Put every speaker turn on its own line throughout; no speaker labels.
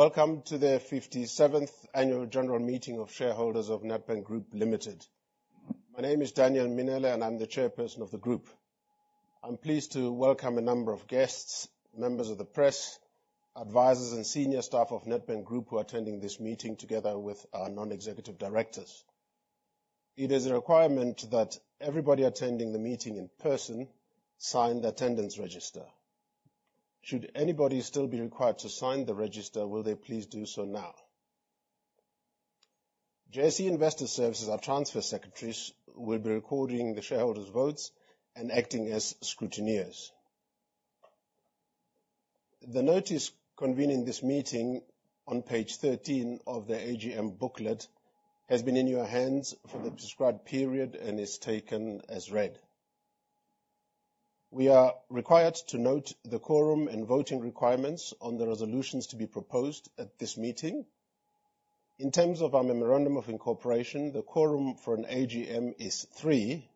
Welcome to the 57th annual general meeting of shareholders of Nedbank Group Limited. My name is Daniel Mminele, and I'm the chairperson of the group. I'm pleased to welcome a number of guests, members of the press, advisors, and senior staff of Nedbank Group who are attending this meeting together with our non-executive directors. It is a requirement that everybody attending the meeting in person sign the attendance register. Should anybody still be required to sign the register, will they please do so now? JSE Investor Services, our transfer secretaries, will be recording the shareholders' votes and acting as scrutineers. The notice convening this meeting on page 13 of the AGM booklet has been in your hands for the described period and is taken as read. We are required to note the quorum and voting requirements on the resolutions to be proposed at this meeting. In terms of our memorandum of incorporation, the quorum for an AGM is three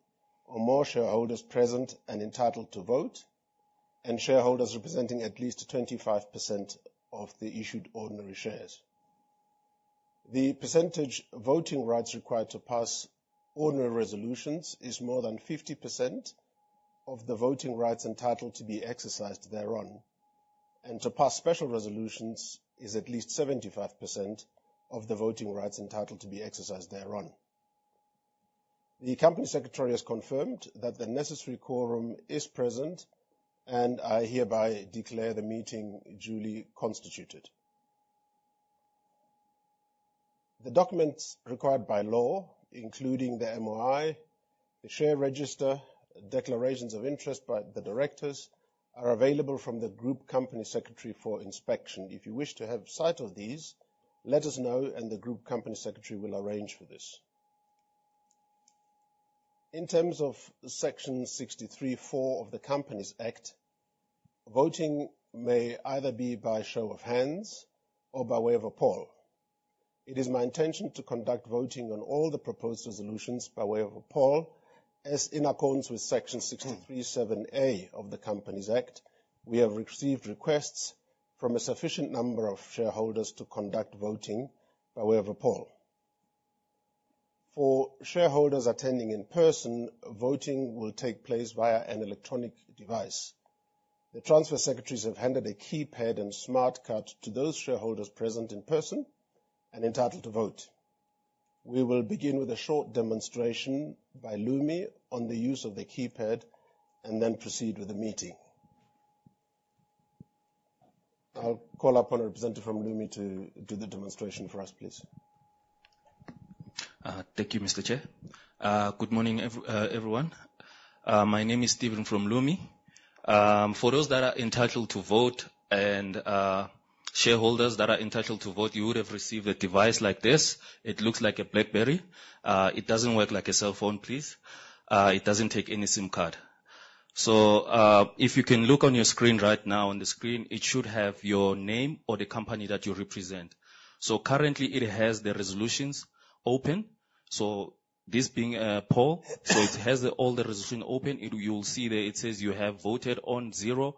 or more shareholders present and entitled to vote, and shareholders representing at least 25% of the issued ordinary shares. The percentage voting rights required to pass ordinary resolutions is more than 50% of the voting rights entitled to be exercised thereon, and to pass special resolutions is at least 75% of the voting rights entitled to be exercised thereon. The company secretary has confirmed that the necessary quorum is present. I hereby declare the meeting duly constituted. The documents required by law, including the MOI, the share register, declarations of interest by the directors, are available from the group company secretary for inspection. If you wish to have sight of these, let us know and the group company secretary will arrange for this. In terms of Section 63 (4) of the Companies Act, voting may either be by show of hands or by way of a poll. It is my intention to conduct voting on all the proposed resolutions by way of a poll, as in accordance with Section 63 (7A) of the Companies Act, we have received requests from a sufficient number of shareholders to conduct voting by way of a poll. For shareholders attending in person, voting will take place via an electronic device. The transfer secretaries have handed a keypad and smart card to those shareholders present in person and entitled to vote. We will begin with a short demonstration by Lumi on the use of the keypad. Then proceed with the meeting. I'll call upon a representative from Lumi to do the demonstration for us, please.
Thank you, Mr. Chair. Good morning, everyone. My name is Steven from Lumi. For those that are entitled to vote and shareholders that are entitled to vote, you would have received a device like this. It looks like a BlackBerry. It doesn't work like a cell phone, please. It doesn't take any SIM card. If you can look on your screen right now, on the screen, it should have your name or the company that you represent. Currently, it has the resolutions open. This being a poll, it has all the resolution open. You'll see there it says you have voted on zero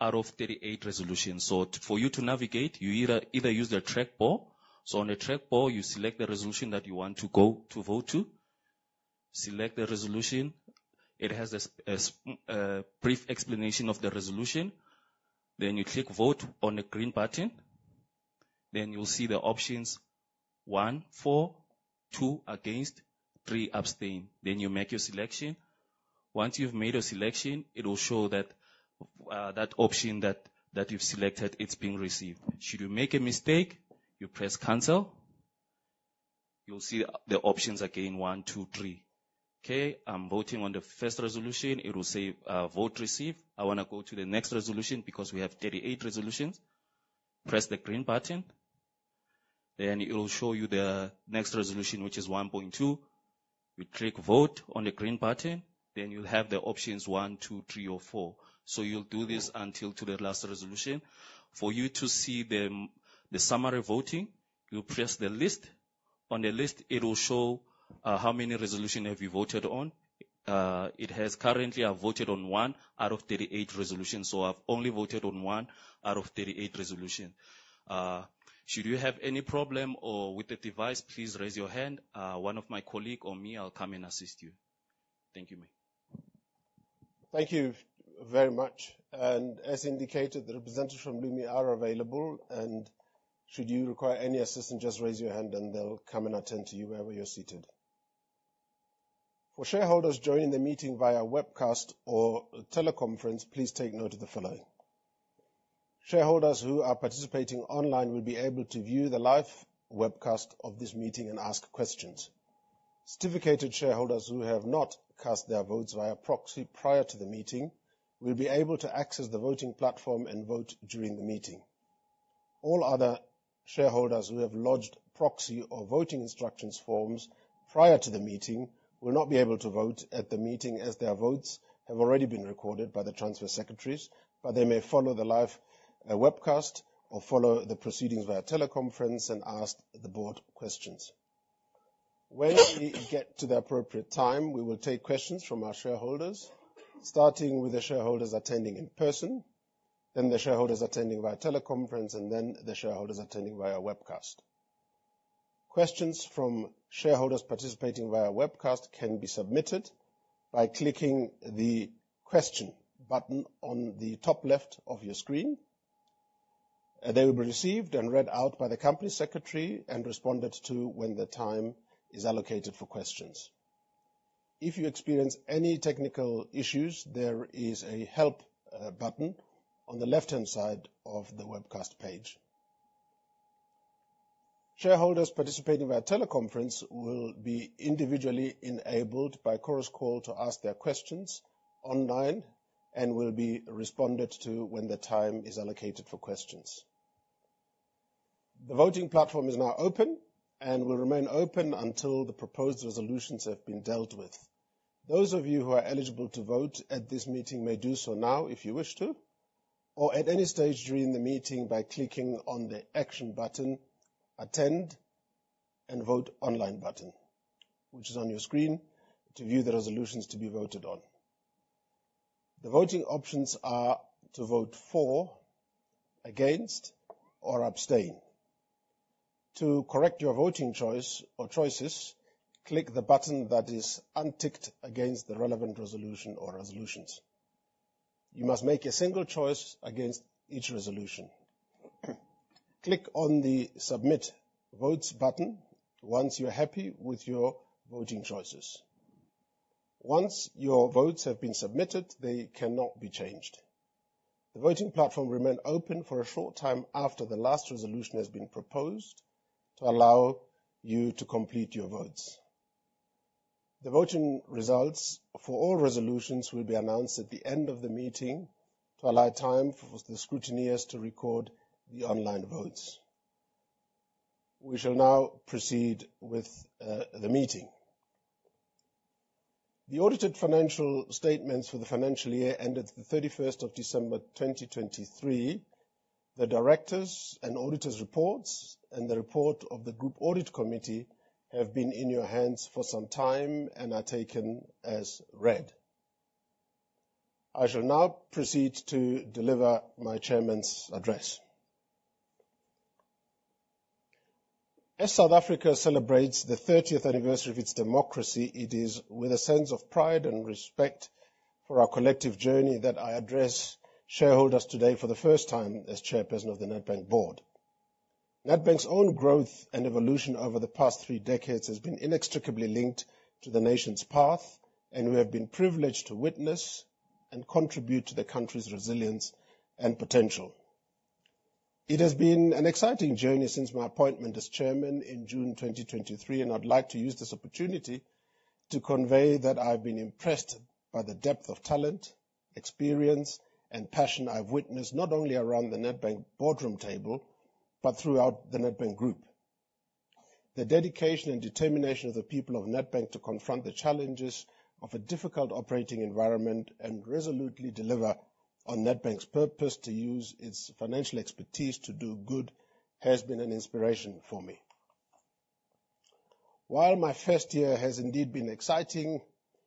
out of 38 resolutions. For you to navigate, you either use the trackball. On a trackball, you select the resolution. It has a brief explanation of the resolution. You click vote on the green button. You'll see the options, one, for, two, against, three, abstain. You make your selection. Once you've made a selection, it will show that option that you've selected, it's been received. Should you make a mistake, you press cancel. You'll see the options again, one, two, three. I'm voting on the first resolution. It will say, "Vote received." I want to go to the next resolution because we have 38 resolutions. Press the green button. It will show you the next resolution, which is 1.2. You click vote on the green button. You'll have the options one, two, three, or four. You'll do this until to the last resolution. For you to see the summary voting, you press the list. On the list, it will show how many resolutions have you voted on. It has currently, I've voted on one out of 38 resolutions. I've only voted on one out of 38 resolutions. Should you have any problem or with the device, please raise your hand. One of my colleagues or me, I'll come and assist you. Thank you.
Thank you very much. As indicated, the representatives from Lumi are available, and should you require any assistance, just raise your hand and they'll come and attend to you wherever you're seated. For shareholders joining the meeting via webcast or teleconference, please take note of the following. Shareholders who are participating online will be able to view the live webcast of this meeting and ask questions. Certificated shareholders who have not cast their votes via proxy prior to the meeting will be able to access the voting platform and vote during the meeting. All other shareholders who have lodged proxy or voting instructions forms prior to the meeting will not be able to vote at the meeting as their votes have already been recorded by the transfer secretaries, but they may follow the live webcast or follow the proceedings via teleconference and ask the board questions. When we get to the appropriate time, we will take questions from our shareholders, starting with the shareholders attending in person, then the shareholders attending via teleconference, and then the shareholders attending via webcast. Questions from shareholders participating via webcast can be submitted by clicking the question button on the top left of your screen. They will be received and read out by the company secretary and responded to when the time is allocated for questions. If you experience any technical issues, there is a help button on the left-hand side of the webcast page. Shareholders participating via teleconference will be individually enabled by Chorus Call to ask their questions online and will be responded to when the time is allocated for questions. The voting platform is now open and will remain open until the proposed resolutions have been dealt with. Those of you who are eligible to vote at this meeting may do so now if you wish to, or at any stage during the meeting by clicking on the action button, attend and vote online button, which is on your screen to view the resolutions to be voted on. The voting options are to vote for, against, or abstain. To correct your voting choice or choices, click the button that is unticked against the relevant resolution or resolutions. You must make a single choice against each resolution. Click on the submit votes button once you are happy with your voting choices. Once your votes have been submitted, they cannot be changed. The voting platform will remain open for a short time after the last resolution has been proposed to allow you to complete your votes. The voting results for all resolutions will be announced at the end of the meeting to allow time for the scrutineers to record the online votes. We shall now proceed with the meeting. The audited financial statements for the financial year ended the 31st of December 2023, the directors' and auditors' reports, and the report of the Group Audit Committee have been in your hands for some time and are taken as read. I shall now proceed to deliver my chairman's address. As South Africa celebrates the 30th anniversary of its democracy, it is with a sense of pride and respect for our collective journey that I address shareholders today for the first time as Chairman of the Nedbank Board. Nedbank's own growth and evolution over the past three decades has been inextricably linked to the nation's path, and we have been privileged to witness and contribute to the country's resilience and potential. It has been an exciting journey since my appointment as Chairman in June 2023, and I would like to use this opportunity to convey that I have been impressed by the depth of talent, experience, and passion I have witnessed, not only around the Nedbank boardroom table, but throughout the Nedbank Group. The dedication and determination of the people of Nedbank to confront the challenges of a difficult operating environment and resolutely deliver on Nedbank's purpose to use its financial expertise to do good, has been an inspiration for me. While my first year has indeed been exciting,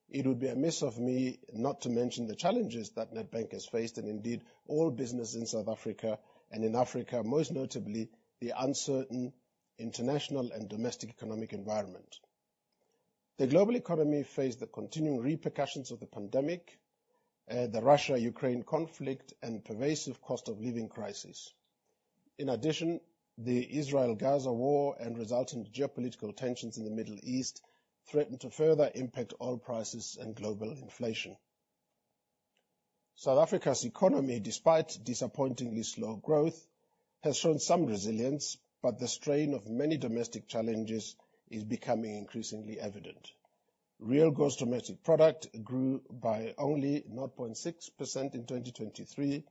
it would be amiss of me not to mention the challenges that Nedbank has faced, and indeed all business in South Africa and in Africa, most notably, the uncertain international and domestic economic environment. The global economy faced the continuing repercussions of the pandemic, the Russia-Ukraine conflict, and pervasive cost-of-living crisis. In addition, the Israel-Gaza war and resulting geopolitical tensions in the Middle East threaten to further impact oil prices and global inflation. South Africa's economy, despite disappointingly slow growth, has shown some resilience, but the strain of many domestic challenges is becoming increasingly evident. Real gross domestic product grew by only 0.6% in 2023,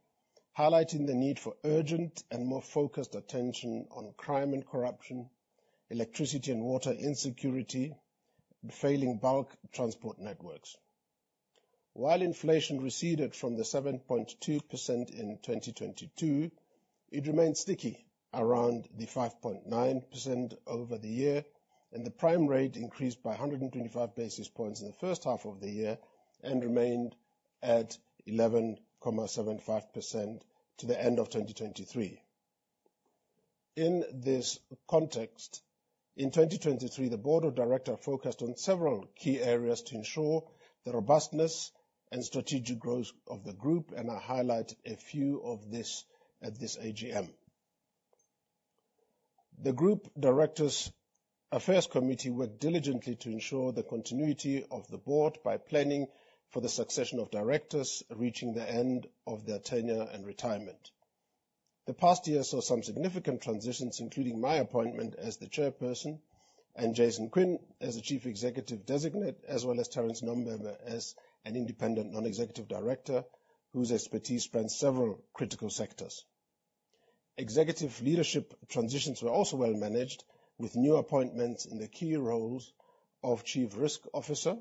highlighting the need for urgent and more focused attention on crime and corruption, electricity and water insecurity, and failing bulk transport networks. While inflation receded from the 7.2% in 2022, it remained sticky around the 5.9% over the year. The prime rate increased by 125 basis points in the first half of the year and remained at 11.75% to the end of 2023. In this context, in 2023, the board of directors focused on several key areas to ensure the robustness and strategic growth of the Group. I highlight a few of these at this AGM. The Group Directors' Affairs Committee worked diligently to ensure the continuity of the board by planning for the succession of directors reaching the end of their tenure and retirement. The past year saw some significant transitions, including my appointment as the chairperson and Jason Quinn as the Chief Executive Designate, as well as Terence Nombembe as an Independent Non-Executive Director whose expertise spans several critical sectors. Executive leadership transitions were also well managed with new appointments in the key roles of Chief Risk Officer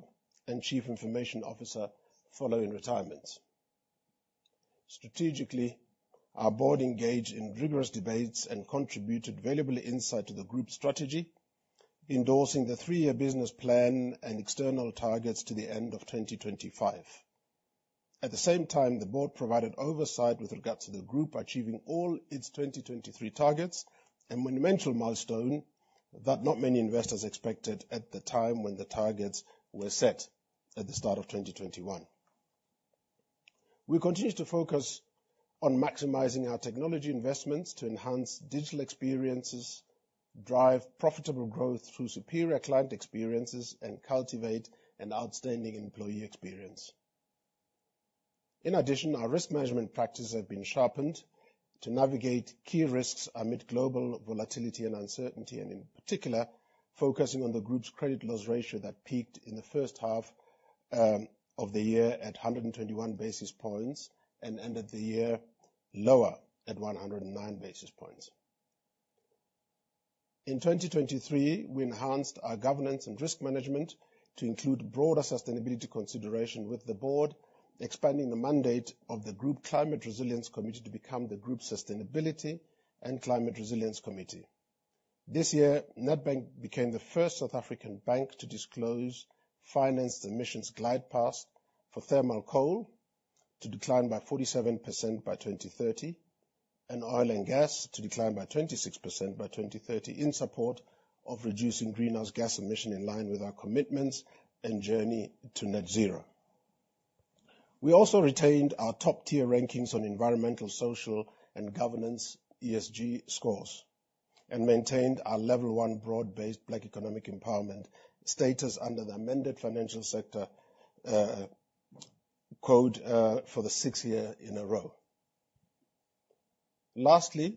and Chief Information Officer following retirements. Strategically, our board engaged in rigorous debates and contributed valuable insight to the Group's strategy, endorsing the three-year business plan and external targets to the end of 2025. At the same time, the board provided oversight with regard to the Group achieving all its 2023 targets, a monumental milestone that not many investors expected at the time when the targets were set at the start of 2021. We continue to focus on maximizing our technology investments to enhance digital experiences, drive profitable growth through superior client experiences, and cultivate an outstanding employee experience. In addition, our risk management practices have been sharpened to navigate key risks amid global volatility and uncertainty. In particular, focusing on the Group's credit loss ratio that peaked in the first half of the year at 121 basis points, it ended the year lower at 109 basis points. In 2023, we enhanced our governance and risk management to include broader sustainability consideration with the board, expanding the mandate of the Group Climate Resilience Committee to become the Group Sustainability and Climate Resilience Committee. This year, Nedbank became the first South African bank to disclose financed emissions glide path for thermal coal to decline by 47% by 2030, and oil and gas to decline by 26% by 2030 in support of reducing greenhouse gas emissions in line with our commitments and journey to net zero. We also retained our top-tier rankings on environmental, social, and governance ESG scores. We maintained our level 1 Broad-Based Black Economic Empowerment status under the amended Financial Sector Code for the sixth year in a row. Lastly,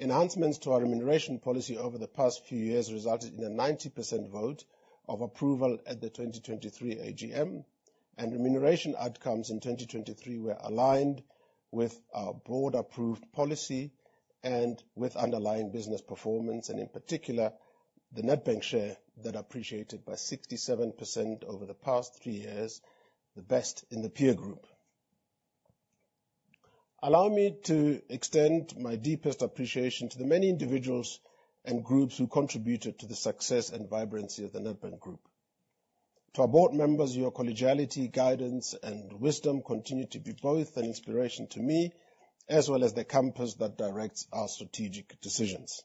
enhancements to our remuneration policy over the past few years resulted in a 90% vote of approval at the 2023 AGM. Remuneration outcomes in 2023 were aligned with our board-approved policy and with underlying business performance. In particular, the Nedbank share that appreciated by 67% over the past three years, the best in the peer group. Allow me to extend my deepest appreciation to the many individuals and groups who contributed to the success and vibrancy of the Nedbank Group. To our board members, your collegiality, guidance, and wisdom continue to be both an inspiration to me, as well as the compass that directs our strategic decisions.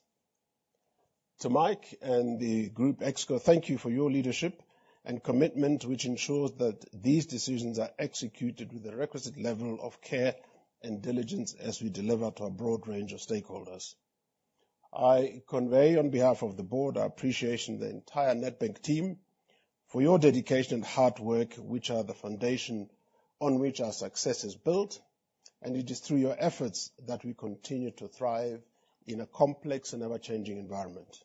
To Mike and the Group ExCo, thank you for your leadership and commitment, which ensures that these decisions are executed with the requisite level of care and diligence as we deliver to a broad range of stakeholders. I convey on behalf of the board our appreciation to the entire Nedbank team for your dedication and hard work, which are the foundation on which our success is built. It is through your efforts that we continue to thrive in a complex and ever-changing environment.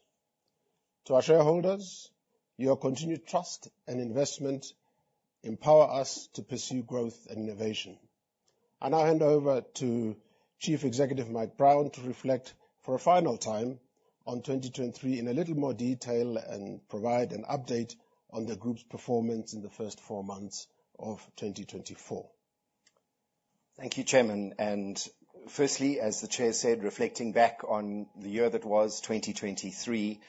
To our shareholders, your continued trust and investment empower us to pursue growth and innovation. I now hand over to Chief Executive Mike Brown to reflect for a final time on 2023 in a little more detail and provide an update on the group's performance in the first four months of 2024.
Thank you, Chairman. Firstly, as the Chair said, reflecting back on the year that was 2023,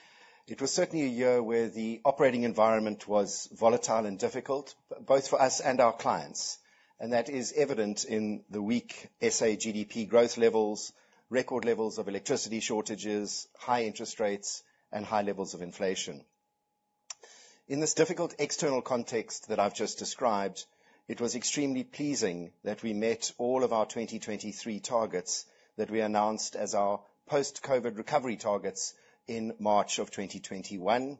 it was certainly a year where the operating environment was volatile and difficult, both for us and our clients, and that is evident in the weak SA GDP growth levels, record levels of electricity shortages, high interest rates, and high levels of inflation. In this difficult external context that I've just described, it was extremely pleasing that we met all of our 2023 targets that we announced as our post-COVID recovery targets in March of 2021.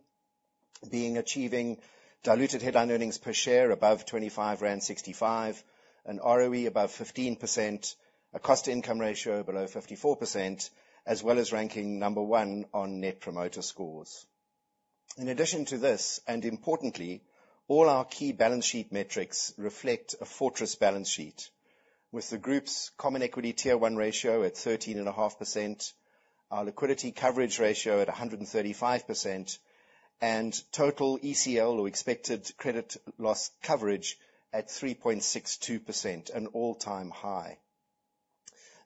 Being achieving diluted headline earnings per share above 25.65 rand, an ROE above 15%, a cost-to-income ratio below 54%, as well as ranking number 1 on Net Promoter Scores. In addition to this, importantly, all our key balance sheet metrics reflect a fortress balance sheet with the group's common equity tier 1 ratio at 13.5%, our liquidity coverage ratio at 135%, and total ECL or expected credit loss coverage at 3.62%, an all-time high.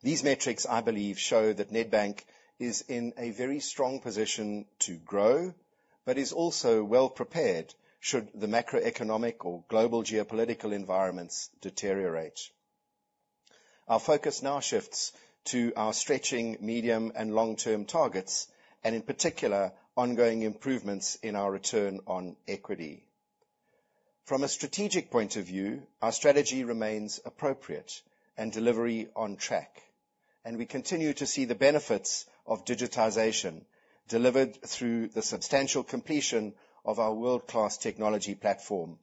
These metrics, I believe, show that Nedbank is in a very strong position to grow but is also well prepared should the macroeconomic or global geopolitical environments deteriorate. Our focus now shifts to our stretching medium and long-term targets, in particular, ongoing improvements in our return on equity. From a strategic point of view, our strategy remains appropriate and delivery on track, and we continue to see the benefits of digitization delivered through the substantial completion of our world-class technology platform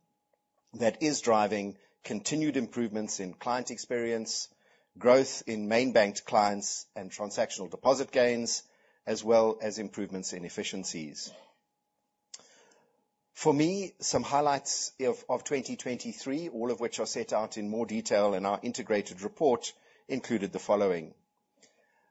that is driving continued improvements in client experience, growth in main banked clients and transactional deposit gains, as well as improvements in efficiencies. For me, some highlights of 2023, all of which are set out in more detail in our integrated report, included the following.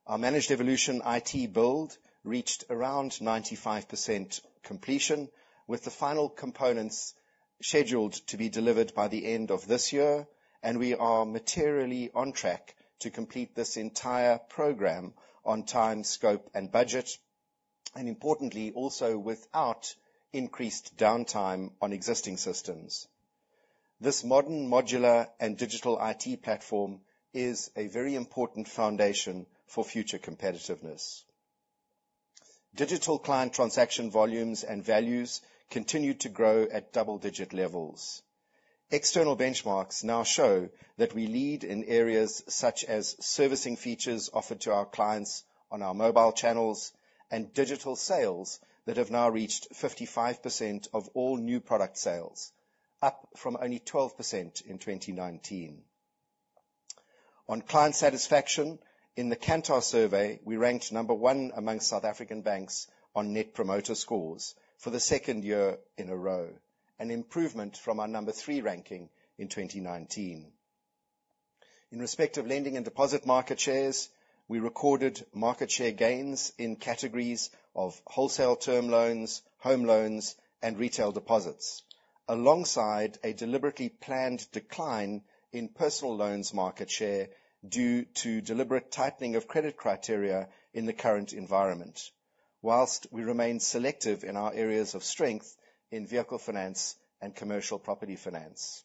Our Managed Evolution IT build reached around 95% completion, with the final components scheduled to be delivered by the end of this year. We are materially on track to complete this entire program on time, scope, and budget, importantly, also without increased downtime on existing systems. This modern modular and digital IT platform is a very important foundation for future competitiveness. Digital client transaction volumes and values continue to grow at double-digit levels. External benchmarks now show that we lead in areas such as servicing features offered to our clients on our mobile channels and digital sales that have now reached 55% of all new product sales, up from only 12% in 2019. On client satisfaction, in the Kantar survey, we ranked number one among South African banks on net promoter scores for the second year in a row, an improvement from our number three ranking in 2019. In respect of lending and deposit market shares, we recorded market share gains in categories of wholesale term loans, home loans, and retail deposits, alongside a deliberately planned decline in personal loans market share due to deliberate tightening of credit criteria in the current environment. Whilst we remain selective in our areas of strength in vehicle finance and commercial property finance.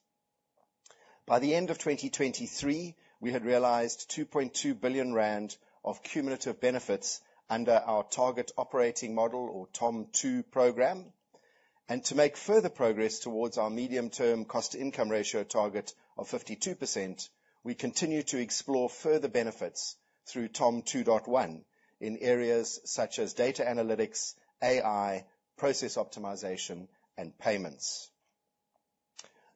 By the end of 2023, we had realized 2.2 billion rand of cumulative benefits under our Target Operating Model, or TOM 2.0 program. To make further progress towards our medium-term cost-to-income ratio target of 52%, we continue to explore further benefits through TOM 2.1 in areas such as data analytics, AI, process optimization, and payments.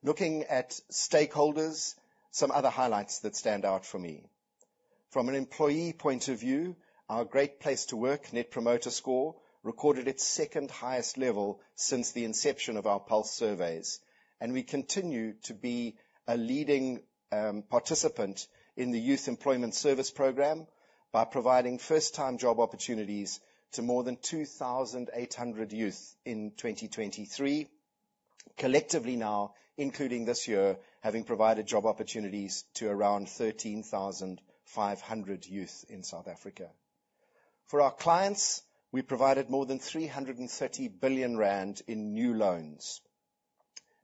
Looking at stakeholders, some other highlights that stand out for me. From an employee point of view, our Great Place to Work net promoter score recorded its second highest level since the inception of our pulse surveys, and we continue to be a leading participant in the Youth Employment Service program by providing first-time job opportunities to more than 2,800 youth in 2023. Collectively now, including this year, having provided job opportunities to around 13,500 youth in South Africa. For our clients, we provided more than 330 billion rand in new loans.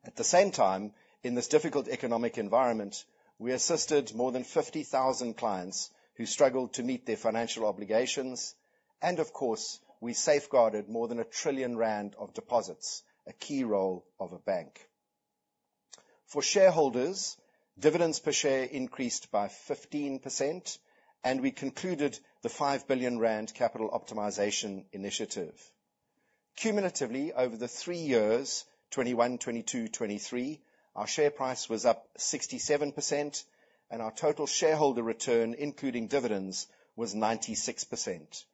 At the same time, in this difficult economic environment, we assisted more than 50,000 clients who struggled to meet their financial obligations, of course, we safeguarded more than 1 trillion rand of deposits, a key role of a bank. For shareholders, dividends per share increased by 15%, and we concluded the 5 billion rand capital optimization initiative. Cumulatively, over the three years, 2021, 2022, 2023, our share price was up 67%, and our total shareholder return, including dividends, was 96%.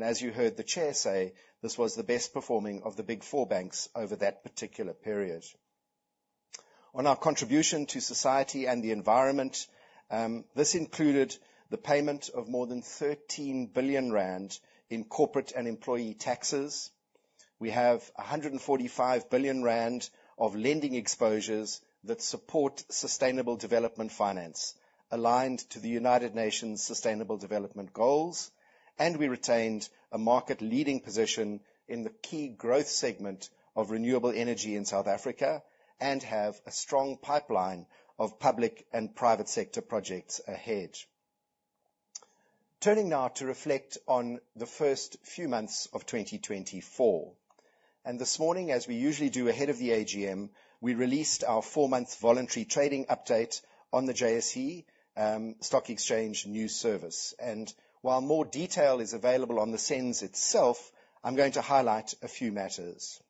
As you heard the chair say, this was the best performing of the Big Four banks over that particular period. On our contribution to society and the environment, this included the payment of more than 13 billion rand in corporate and employee taxes. We have 145 billion rand of lending exposures that support sustainable development finance aligned to the United Nations Sustainable Development Goals, we retained a market-leading position in the key growth segment of renewable energy in South Africa and have a strong pipeline of public and private sector projects ahead. Turning now to reflect on the first few months of 2024. This morning, as we usually do ahead of the AGM, we released our four-month voluntary trading update on the JSE Stock Exchange News Service. While more detail is available on the SENS itself, I'm going to highlight a few matters.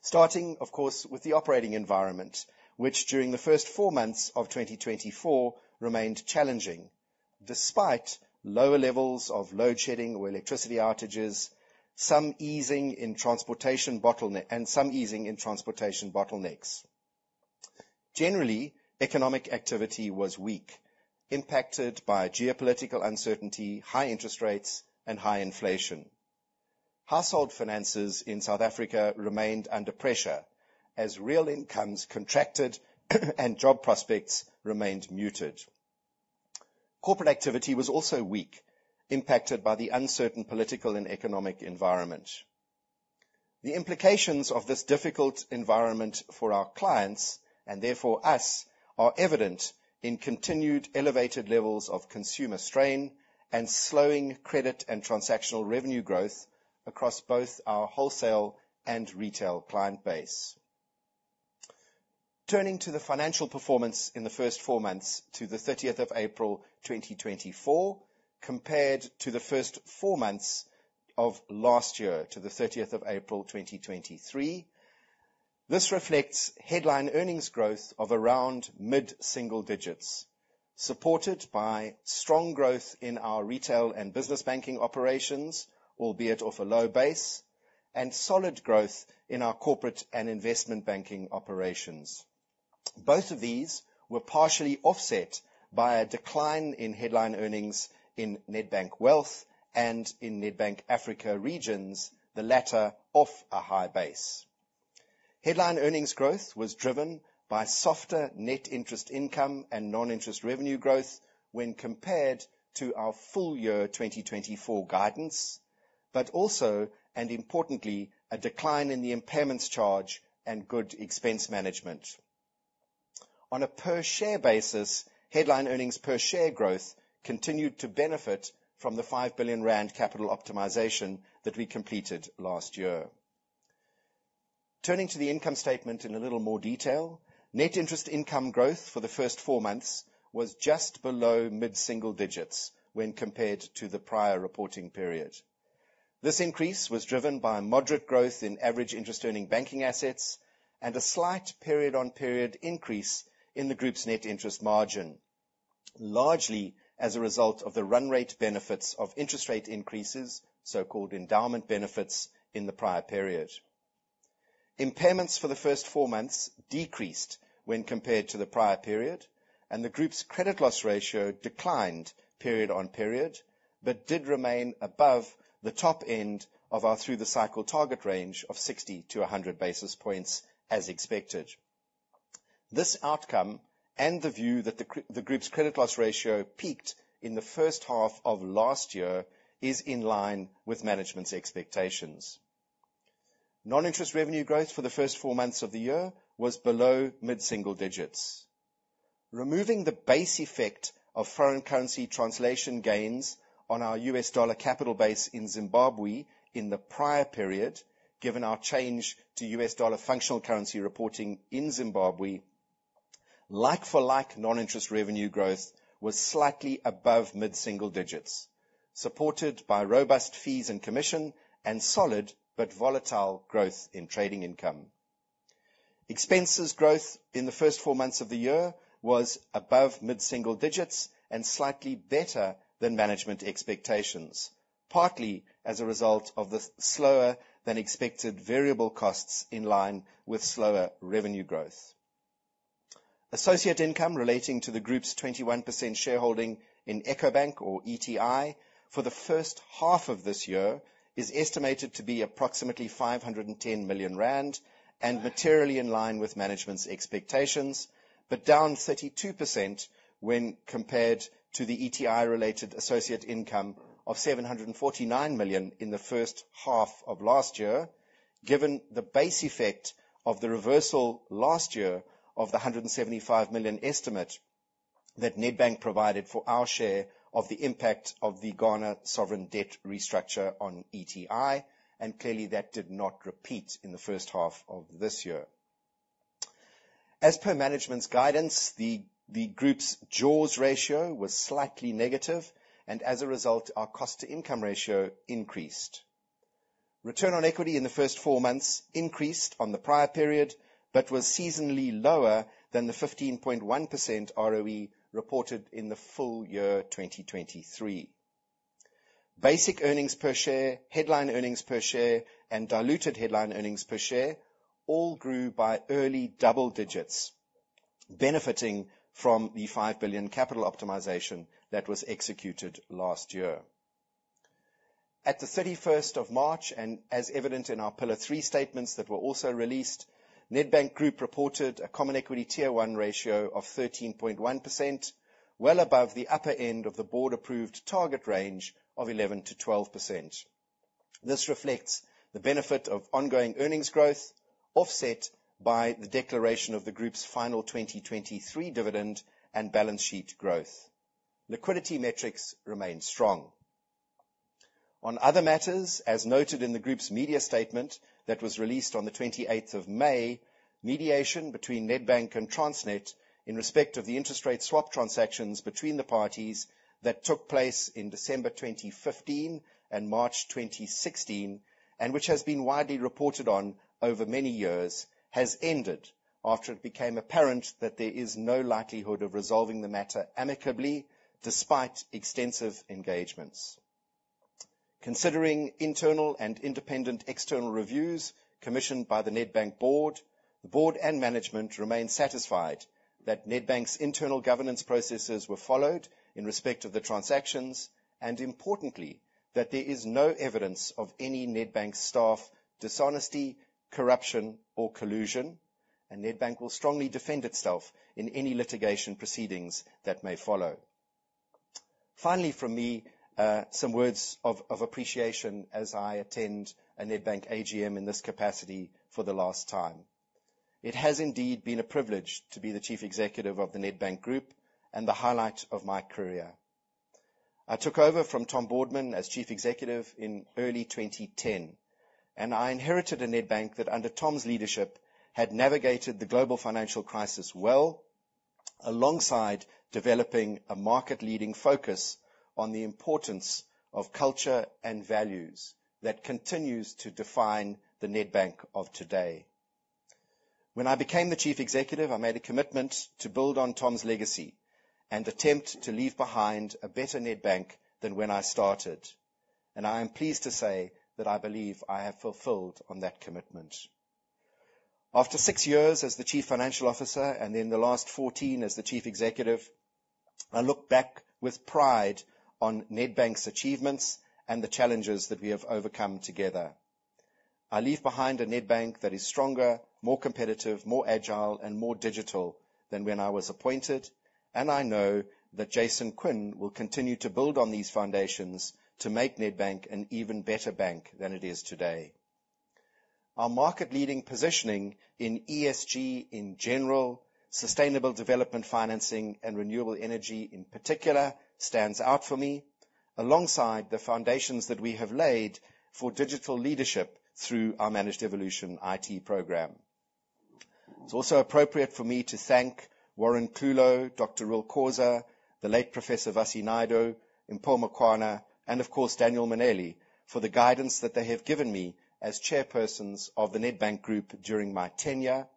Starting, of course, with the operating environment, which during the first four months of 2024 remained challenging despite lower levels of load shedding or electricity outages, some easing in transportation bottlenecks. Generally, economic activity was weak, impacted by geopolitical uncertainty, high interest rates, and high inflation. Household finances in South Africa remained under pressure as real incomes contracted and job prospects remained muted. Corporate activity was also weak, impacted by the uncertain political and economic environment. The implications of this difficult environment for our clients, and therefore us, are evident in continued elevated levels of consumer strain and slowing credit and transactional revenue growth across both our wholesale and retail client base. Turning to the financial performance in the first four months to the 30th of April 2024 compared to the first four months of last year, to the 30th of April 2023. This reflects headline earnings growth of around mid-single digits, supported by strong growth in our retail and business banking operations, albeit off a low base, and solid growth in our corporate and investment banking operations. Both of these were partially offset by a decline in headline earnings in Nedbank Wealth and in Nedbank Africa Regions, the latter off a high base. Headline earnings growth was driven by softer net interest income and non-interest revenue growth when compared to our full year 2024 guidance, but also and importantly, a decline in the impairments charge and good expense management. On a per share basis, headline earnings per share growth continued to benefit from the 5 billion rand capital optimization that we completed last year. Turning to the income statement in a little more detail, net interest income growth for the first four months was just below mid-single digits when compared to the prior reporting period. This increase was driven by moderate growth in average interest earning banking assets and a slight period-on-period increase in the group's net interest margin, largely as a result of the run rate benefits of interest rate increases, so-called endowment benefits in the prior period. Impairments for the first four months decreased when compared to the prior period, and the group's credit loss ratio declined period on period, but did remain above the top end of our through the cycle target range of 60 to 100 basis points as expected. This outcome and the view that the group's credit loss ratio peaked in the first half of last year is in line with management's expectations. Non-interest revenue growth for the first four months of the year was below mid-single digits. Removing the base effect of foreign currency translation gains on our US dollar capital base in Zimbabwe in the prior period, given our change to US dollar functional currency reporting in Zimbabwe, like for like non-interest revenue growth was slightly above mid-single digits, supported by robust fees and commission and solid but volatile growth in trading income. Expenses growth in the first four months of the year was above mid-single digits and slightly better than management expectations, partly as a result of the slower than expected variable costs in line with slower revenue growth. Associate income relating to the group's 21% shareholding in Ecobank or ETI for the first half of this year is estimated to be approximately 510 million rand and materially in line with management's expectations, but down 32% when compared to the ETI related associate income of 749 million in the first half of last year. Given the base effect of the reversal last year of the 175 million estimate that Nedbank provided for our share of the impact of the Ghana sovereign debt restructure on ETI. Clearly that did not repeat in the first half of this year. As per management's guidance, the group's JAWS ratio was slightly negative, and as a result, our cost to income ratio increased. Return on equity in the first four months increased on the prior period but was seasonally lower than the 15.1% ROE reported in the full year 2023. Basic earnings per share, headline earnings per share, and diluted headline earnings per share all grew by early double digits, benefiting from the 5 billion capital optimization that was executed last year. At the 31st of March, as evident in our pillar 3 statements that were also released, Nedbank Group reported a common equity tier 1 ratio of 13.1%, well above the upper end of the board approved target range of 11%-12%. This reflects the benefit of ongoing earnings growth offset by the declaration of the group's final 2023 dividend and balance sheet growth. Liquidity metrics remain strong. On other matters, as noted in the group's media statement that was released on the 28th of May, mediation between Nedbank and Transnet in respect of the interest rate swap transactions between the parties that took place in December 2015 and March 2016, which has been widely reported on over many years, has ended after it became apparent that there is no likelihood of resolving the matter amicably despite extensive engagements. Considering internal and independent external reviews commissioned by the Nedbank board, the board and management remain satisfied that Nedbank's internal governance processes were followed in respect of the transactions, importantly, that there is no evidence of any Nedbank staff dishonesty, corruption or collusion, and Nedbank will strongly defend itself in any litigation proceedings that may follow. Finally from me, some words of appreciation as I attend a Nedbank AGM in this capacity for the last time. It has indeed been a privilege to be the Chief Executive of the Nedbank Group and the highlight of my career. I took over from Tom Boardman as Chief Executive in early 2010, I inherited a Nedbank that, under Tom's leadership, had navigated the global financial crisis well alongside developing a market leading focus on the importance of culture and values that continues to define the Nedbank of today. When I became the Chief Executive, I made a commitment to build on Tom's legacy and attempt to leave behind a better Nedbank than when I started. I am pleased to say that I believe I have fulfilled on that commitment. After six years as the Chief Financial Officer and then the last 14 as the Chief Executive, I look back with pride on Nedbank's achievements and the challenges that we have overcome together. I leave behind a Nedbank that is stronger, more competitive, more agile, and more digital than when I was appointed, I know that Jason Quinn will continue to build on these foundations to make Nedbank an even better bank than it is today. Our market leading positioning in ESG in general, sustainable development financing and renewable energy in particular, stands out for me, alongside the foundations that we have laid for digital leadership through our Managed Evolution IT program. It's also appropriate for me to thank Warren Klute, Dr. Reuel Khoza, the late Professor Vassi Naidoo, Mpho Makwana, and of course, Daniel Mminele, for the guidance that they have given me as chairpersons of the Nedbank Group during my tenure.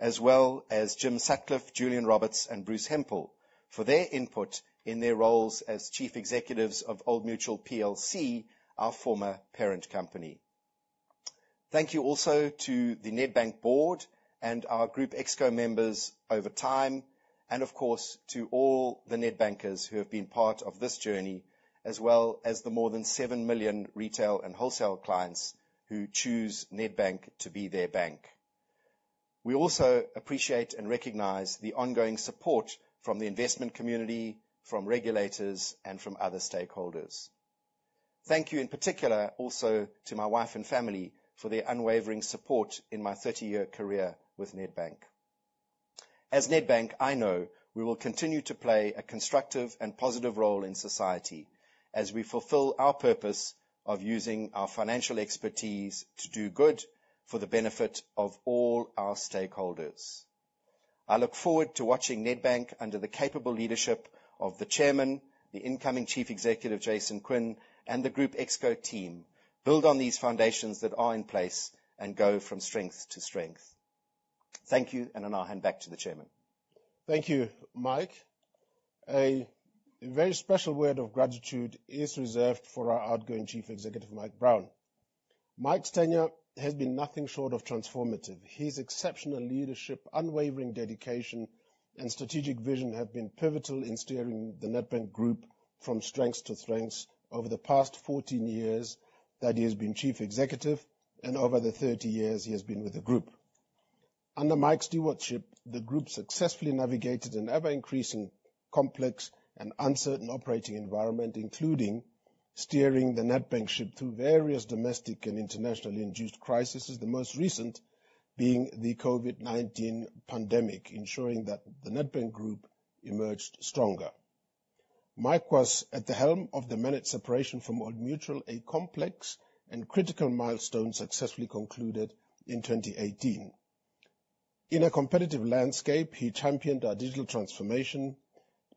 As well as Jim Sutcliffe, Julian Roberts, and Bruce Hemphill for their input in their roles as chief executives of Old Mutual PLC, our former parent company. Thank you also to the Nedbank board and our Group ExCo members over time, of course, to all the Nedbankers who have been part of this journey, as well as the more than 7 million retail and wholesale clients who choose Nedbank to be their bank. We also appreciate and recognize the ongoing support from the investment community, from regulators, from other stakeholders. Thank you in particular also to my wife and family for their unwavering support in my 30-year career with Nedbank. As Nedbank, I know we will continue to play a constructive and positive role in society as we fulfill our purpose of using our financial expertise to do good for the benefit of all our stakeholders. I look forward to watching Nedbank under the capable leadership of the chairman, the incoming chief executive, Jason Quinn, and the Group ExCo team, build on these foundations that are in place and go from strength to strength. Thank you, I'll now hand back to the chairman.
Thank you, Mike. A very special word of gratitude is reserved for our outgoing chief executive, Mike Brown. Mike's tenure has been nothing short of transformative. His exceptional leadership, unwavering dedication, and strategic vision have been pivotal in steering the Nedbank Group from strength to strength over the past 14 years that he has been chief executive and over the 30 years he has been with the group. Under Mike's stewardship, the group successfully navigated an ever-increasing complex and uncertain operating environment, including steering the Nedbank ship through various domestic and internationally induced crises, the most recent being the COVID-19 pandemic, ensuring that the Nedbank Group emerged stronger. Mike was at the helm of the managed separation from Old Mutual, a complex and critical milestone successfully concluded in 2018. In a competitive landscape, he championed our digital transformation,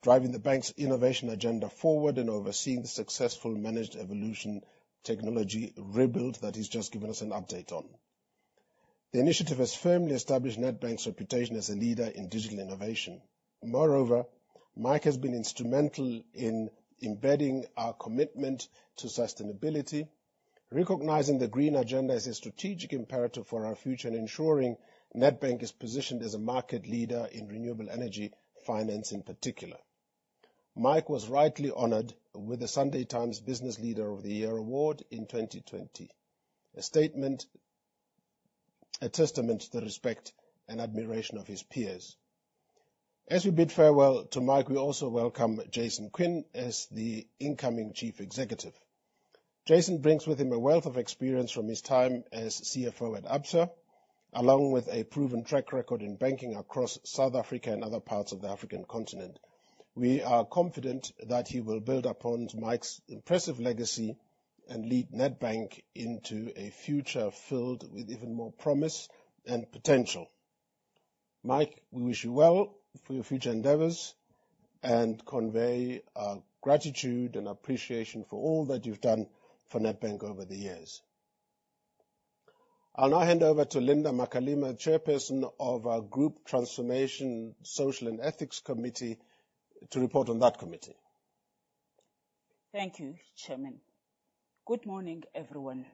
driving the bank's innovation agenda forward and overseeing the successful Managed Evolution technology rebuild that he's just given us an update on. The initiative has firmly established Nedbank's reputation as a leader in digital innovation. Moreover, Mike has been instrumental in embedding our commitment to sustainability, recognizing the green agenda as a strategic imperative for our future and ensuring Nedbank is positioned as a market leader in renewable energy finance in particular. Mike was rightly honored with the Sunday Times Business Leader of the Year Award in 2020. A testament to the respect and admiration of his peers. As we bid farewell to Mike, we also welcome Jason Quinn as the incoming Chief Executive. Jason brings with him a wealth of experience from his time as CFO at Absa, along with a proven track record in banking across South Africa and other parts of the African continent. We are confident that he will build upon Mike's impressive legacy and lead Nedbank into a future filled with even more promise and potential. Mike, we wish you well for your future endeavors and convey our gratitude and appreciation for all that you've done for Nedbank over the years. I'll now hand over to Linda Makalima, Chairperson of our Group Transformation, Social and Ethics Committee, to report on that committee.
Thank you, Chairman. Good morning, everyone.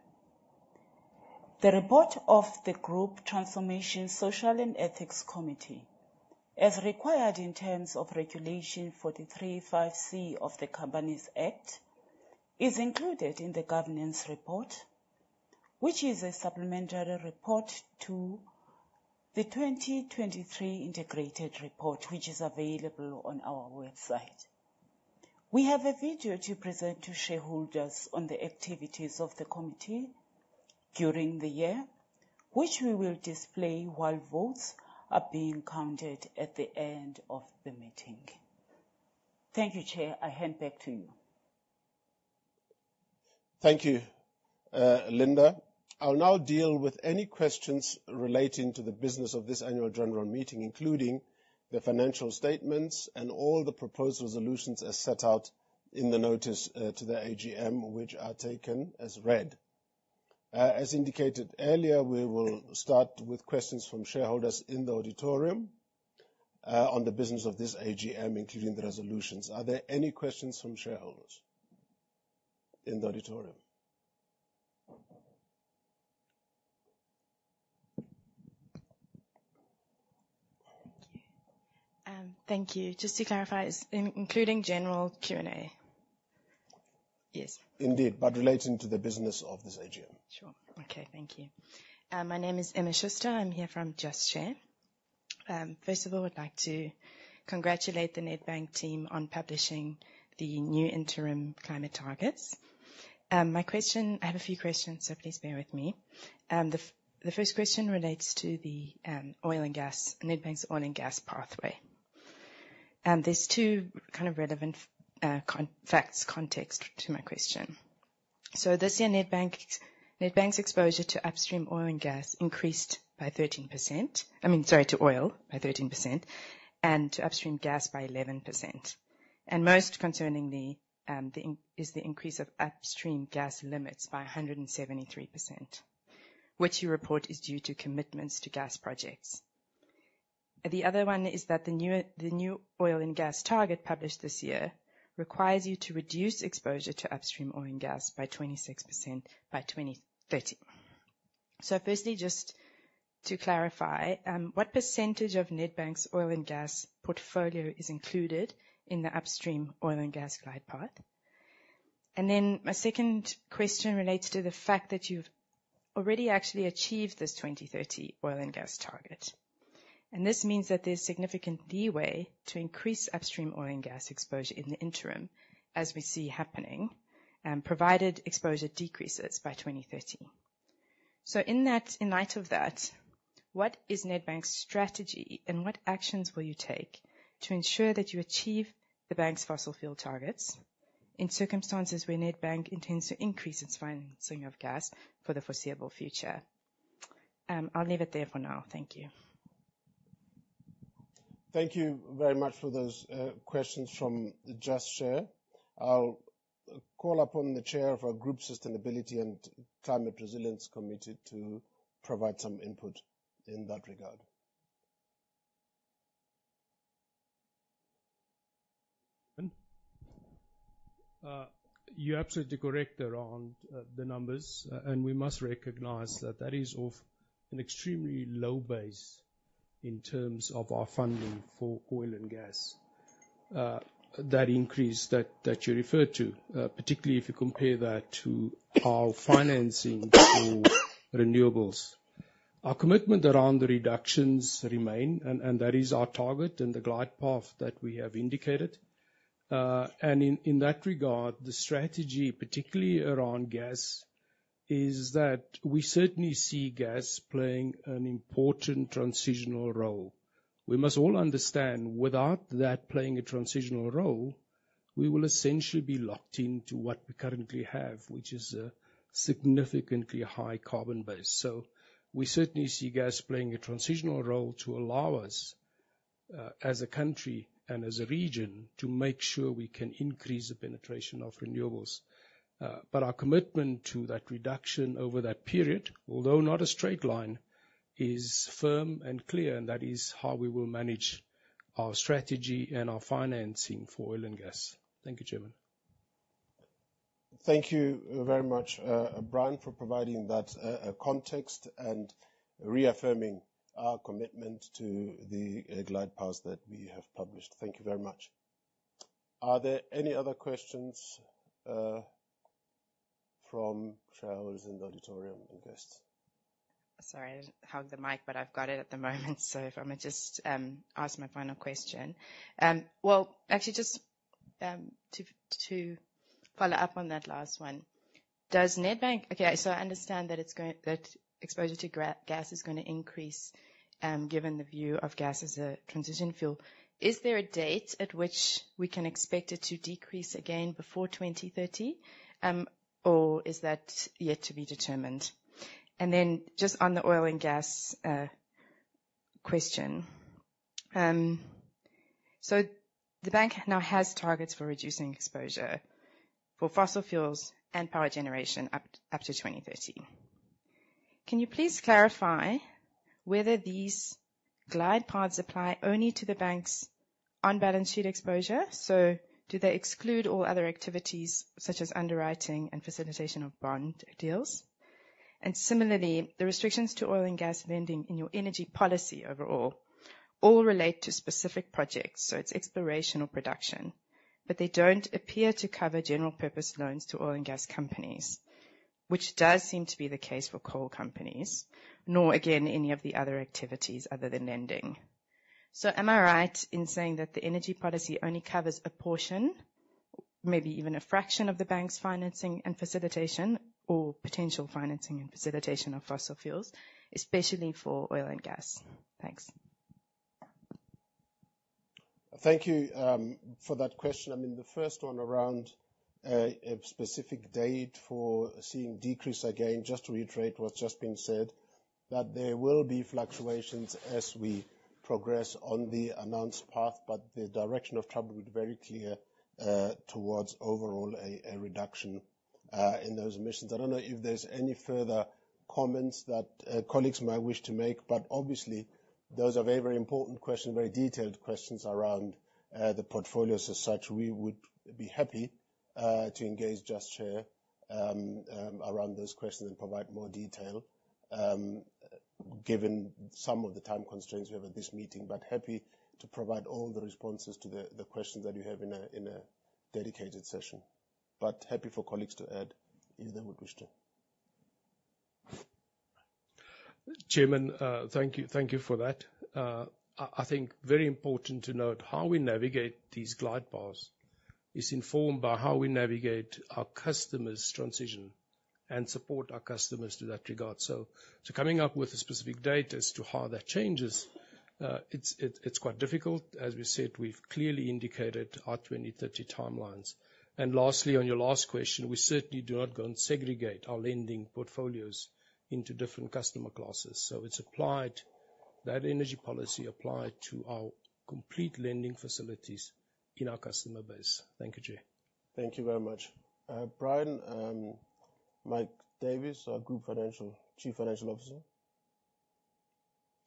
The report of the Group Transformation, Social and Ethics Committee, as required in terms of Regulation 43 [5] [c] of the Companies Act, is included in the governance report, which is a supplementary report to the 2023 integrated report, which is available on our website. We have a video to present to shareholders on the activities of the committee during the year, which we will display while votes are being counted at the end of the meeting. Thank you, Chair. I hand back to you.
Thank you, Linda. I'll now deal with any questions relating to the business of this annual general meeting, including the financial statements and all the proposed resolutions as set out in the notice to the AGM, which are taken as read. As indicated earlier, we will start with questions from shareholders in the auditorium on the business of this AGM, including the resolutions. Are there any questions from shareholders in the auditorium?
Thank you. Just to clarify, including general Q&A. Yes.
Indeed, relating to the business of this AGM.
Sure. Okay. Thank you. My name is Emma Schuster. I am here from Just Share. First of all, would like to congratulate the Nedbank team on publishing the new interim climate targets. I have a few questions, please bear with me. The first question relates to Nedbank's oil and gas pathway. There is two kind of relevant facts, context to my question. This year, Nedbank's exposure to upstream oil and gas increased by 13% to oil by 13%, and to upstream gas by 11%. Most concerningly, is the increase of upstream gas limits by 173%, which you report is due to commitments to gas projects. The other one is that the new oil and gas target published this year requires you to reduce exposure to upstream oil and gas by 26% by 2030. Firstly, just to clarify, what percentage of Nedbank's oil and gas portfolio is included in the upstream oil and gas glide path? My second question relates to the fact that you have already actually achieved this 2030 oil and gas target. This means that there is significant leeway to increase upstream oil and gas exposure in the interim, as we see happening, provided exposure decreases by 2030. In light of that, what is Nedbank's strategy, and what actions will you take to ensure that you achieve the bank's fossil fuel targets in circumstances where Nedbank intends to increase its financing of gas for the foreseeable future? I will leave it there for now. Thank you.
Thank you very much for those questions from Just Share. I'll call upon the chair of our Group Sustainability and Climate Resilience Committee to provide some input in that regard.
You're absolutely correct around the numbers. We must recognize that that is of an extremely low base in terms of our funding for oil and gas. That increase that you referred to, particularly if you compare that to our financing for renewables. Our commitment around the reductions remain. That is our target and the glide path that we have indicated. In that regard, the strategy, particularly around gas, is that we certainly see gas playing an important transitional role. We must all understand, without that playing a transitional role, we will essentially be locked into what we currently have, which is a significantly high carbon base. We certainly see gas playing a transitional role to allow us, as a country and as a region, to make sure we can increase the penetration of renewables. Our commitment to that reduction over that period, although not a straight line, is firm and clear. That is how we will manage our strategy and our financing for oil and gas. Thank you, Chairman.
Thank you very much, Brian, for providing that context and reaffirming our commitment to the glide path that we have published. Thank you very much. Are there any other questions from shareholders in the auditorium and guests?
Sorry, I don't have the mic, but I've got it at the moment. If I may just ask my final question. Well, actually, just to follow up on that last one. I understand that exposure to gas is going to increase, given the view of gas as a transition fuel. Is there a date at which we can expect it to decrease again before 2030? Or is that yet to be determined? Then just on the oil and gas question. The bank now has targets for reducing exposure for fossil fuels and power generation up to 2030. Can you please clarify whether these glide paths apply only to the bank's on-balance-sheet exposure? Do they exclude all other activities such as underwriting and facilitation of bond deals? Similarly, the restrictions to oil and gas lending in your energy policy overall all relate to specific projects. It's exploration or production. They don't appear to cover general purpose loans to oil and gas companies, which does seem to be the case for coal companies, nor again, any of the other activities other than lending. Am I right in saying that the energy policy only covers a portion, maybe even a fraction of the bank's financing and facilitation or potential financing and facilitation of fossil fuels, especially for oil and gas? Thanks.
Thank you for that question. I mean, the first one around a specific date for seeing decrease again, just to reiterate what's just been said. That there will be fluctuations as we progress on the announced path, but the direction of travel is very clear towards overall a reduction in those emissions. I don't know if there's any further comments that colleagues might wish to make, but obviously, those are very important questions, very detailed questions around the portfolios as such. We would be happy to engage Just Share around those questions and provide more detail given some of the time constraints we have at this meeting, but happy to provide all the responses to the questions that you have in a dedicated session. Happy for colleagues to add if they would wish to.
Chairman, thank you for that. I think very important to note how we navigate these glide paths is informed by how we navigate our customers' transition and support our customers to that regard. Coming up with a specific date as to how that changes, it's quite difficult. As we said, we've clearly indicated our 2030 timelines. Lastly, on your last question, we certainly do not go and segregate our lending portfolios into different customer classes. That energy policy applied to our complete lending facilities in our customer base. Thank you, chair.
Thank you very much. Brian, Mike Davis, our group financial, Chief Financial Officer.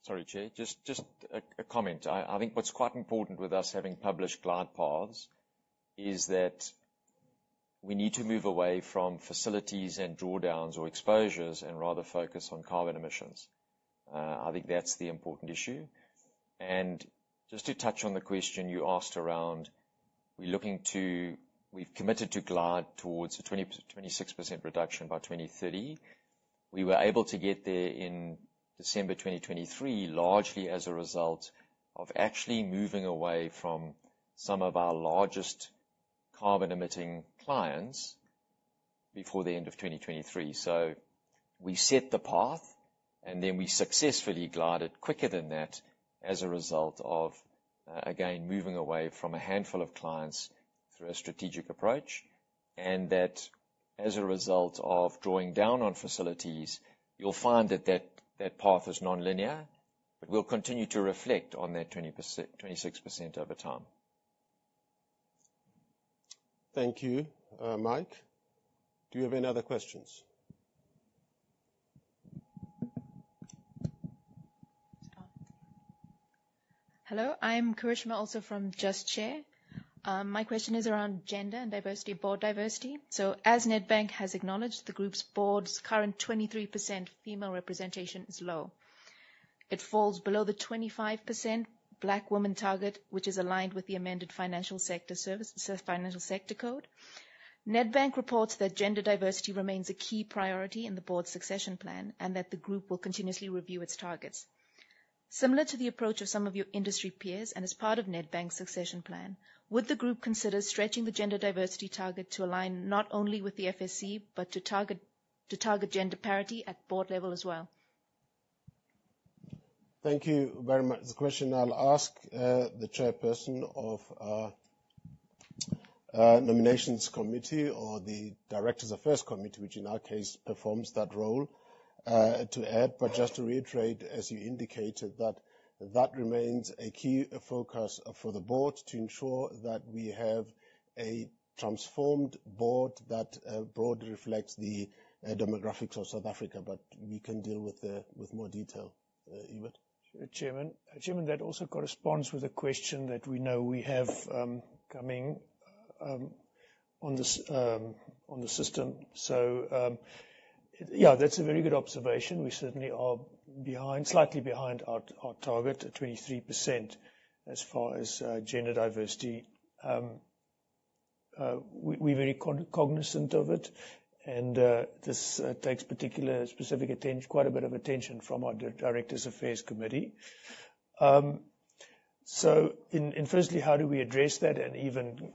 Sorry, chair. Just a comment. I think what's quite important with us having published glide paths is that we need to move away from facilities and drawdowns or exposures and rather focus on carbon emissions. I think that's the important issue. Just to touch on the question you asked around, we've committed to glide towards a 26% reduction by 2030. We were able to get there in December 2023, largely as a result of actually moving away from some of our largest carbon-emitting clients before the end of 2023. We set the path, and then we successfully glided quicker than that as a result of, again, moving away from a handful of clients through a strategic approach. That as a result of drawing down on facilities, you'll find that that path is nonlinear, but will continue to reflect on that 26% over time.
Thank you. Mike, do you have any other questions?
Hello, I'm Karishma, also from Just Share. My question is around gender and diversity, board diversity. As Nedbank has acknowledged, the Group's board's current 23% female representation is low. It falls below the 25% black woman target, which is aligned with the amended Financial Sector Code. Nedbank reports that gender diversity remains a key priority in the board's succession plan, and that the Group will continuously review its targets. Similar to the approach of some of your industry peers and as part of Nedbank's succession plan, would the Group consider stretching the gender diversity target to align not only with the FSC but to target gender parity at board level as well?
Thank you very much. The question I'll ask the Chairperson of our Nominations Committee or the Directors' Affairs Committee, which in our case performs that role to add. Just to reiterate, as you indicated, that remains a key focus for the board to ensure that we have a transformed board that broadly reflects the demographics of South Africa. We can deal with more detail. Ewert.
Chairman, that also corresponds with a question that we know we have coming on the system. That's a very good observation. We certainly are slightly behind our target at 23% as far as gender diversity. We're very cognizant of it, and this takes particular specific quite a bit of attention from our Directors' Affairs Committee. Firstly, how do we address that and even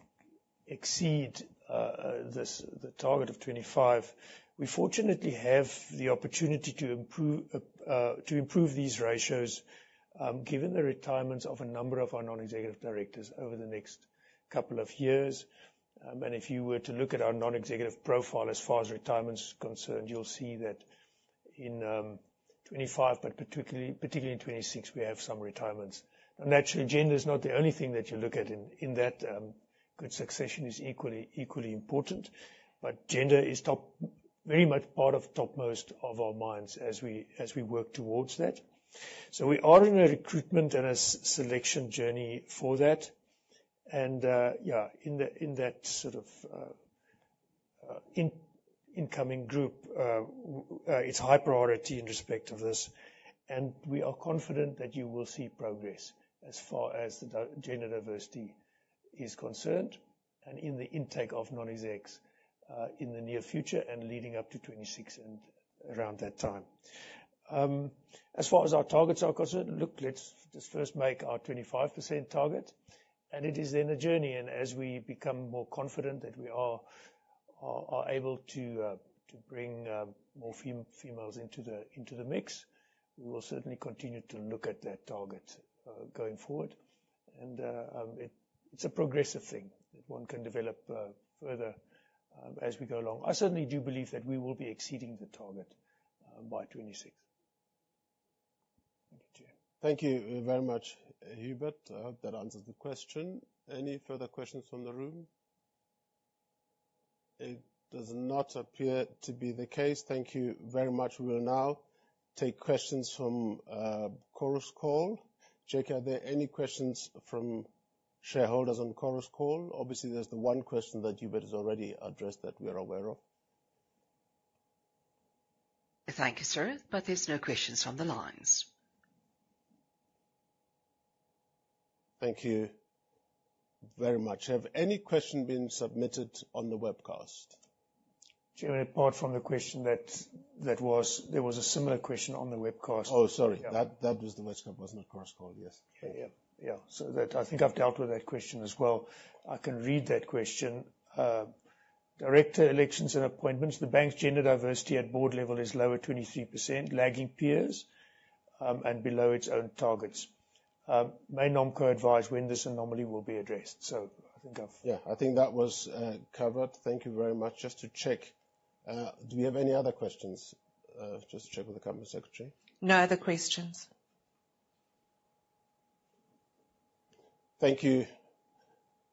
exceed the target of 25? We fortunately have the opportunity to improve these ratios given the retirements of a number of our non-executive directors over the next couple of years. If you were to look at our non-executive profile as far as retirement is concerned, you'll see that in 2025, particularly in 2026, we have some retirements. Naturally, gender is not the only thing that you look at in that. Good succession is equally important. Gender is very much part of topmost of our minds as we work towards that. We are in a recruitment and a selection journey for that. In that sort of incoming group, it's high priority in respect of this, and we are confident that you will see progress as far as gender diversity is concerned and in the intake of non-execs in the near future and leading up to 2026 and around that time. As far as our targets are concerned, let's just first make our 25% target, and it is then a journey. As we become more confident that we are able to bring more females into the mix. We will certainly continue to look at that target going forward. It's a progressive thing that one can develop further as we go along. I certainly do believe that we will be exceeding the target by 2026.
Thank you, Chair. Thank you very much, Hubert. I hope that answers the question. Any further questions from the room? It does not appear to be the case. Thank you very much. We will now take questions from Chorus Call. Jake, are there any questions from shareholders on Chorus Call? Obviously, there's the one question that Hubert has already addressed that we are aware of.
Thank you, Sir. There's no questions from the lines.
Thank you very much. Have any question been submitted on the webcast?
Chair, apart from the question, there was a similar question on the webcast.
Oh, sorry. That was the Chorus Call, wasn't it? Chorus Call, yes.
Yeah. I think I've dealt with that question as well. I can read that question. "Director elections and appointments. The bank's gender diversity at board level is low at 23%, lagging peers, and below its own targets. May Nomco advise when this anomaly will be addressed?
Yeah. I think that was covered. Thank you very much. Just to check, do we have any other questions? Just to check with the company secretary.
No other questions.
Thank you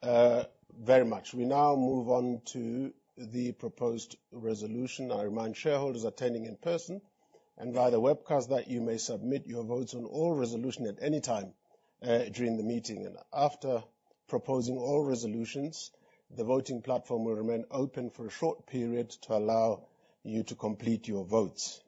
very much. We now move on to the proposed resolution. I remind shareholders attending in person and via the webcast that you may submit your votes on all resolution at any time during the meeting. After proposing all resolutions, the voting platform will remain open for a short period to allow you to complete your votes.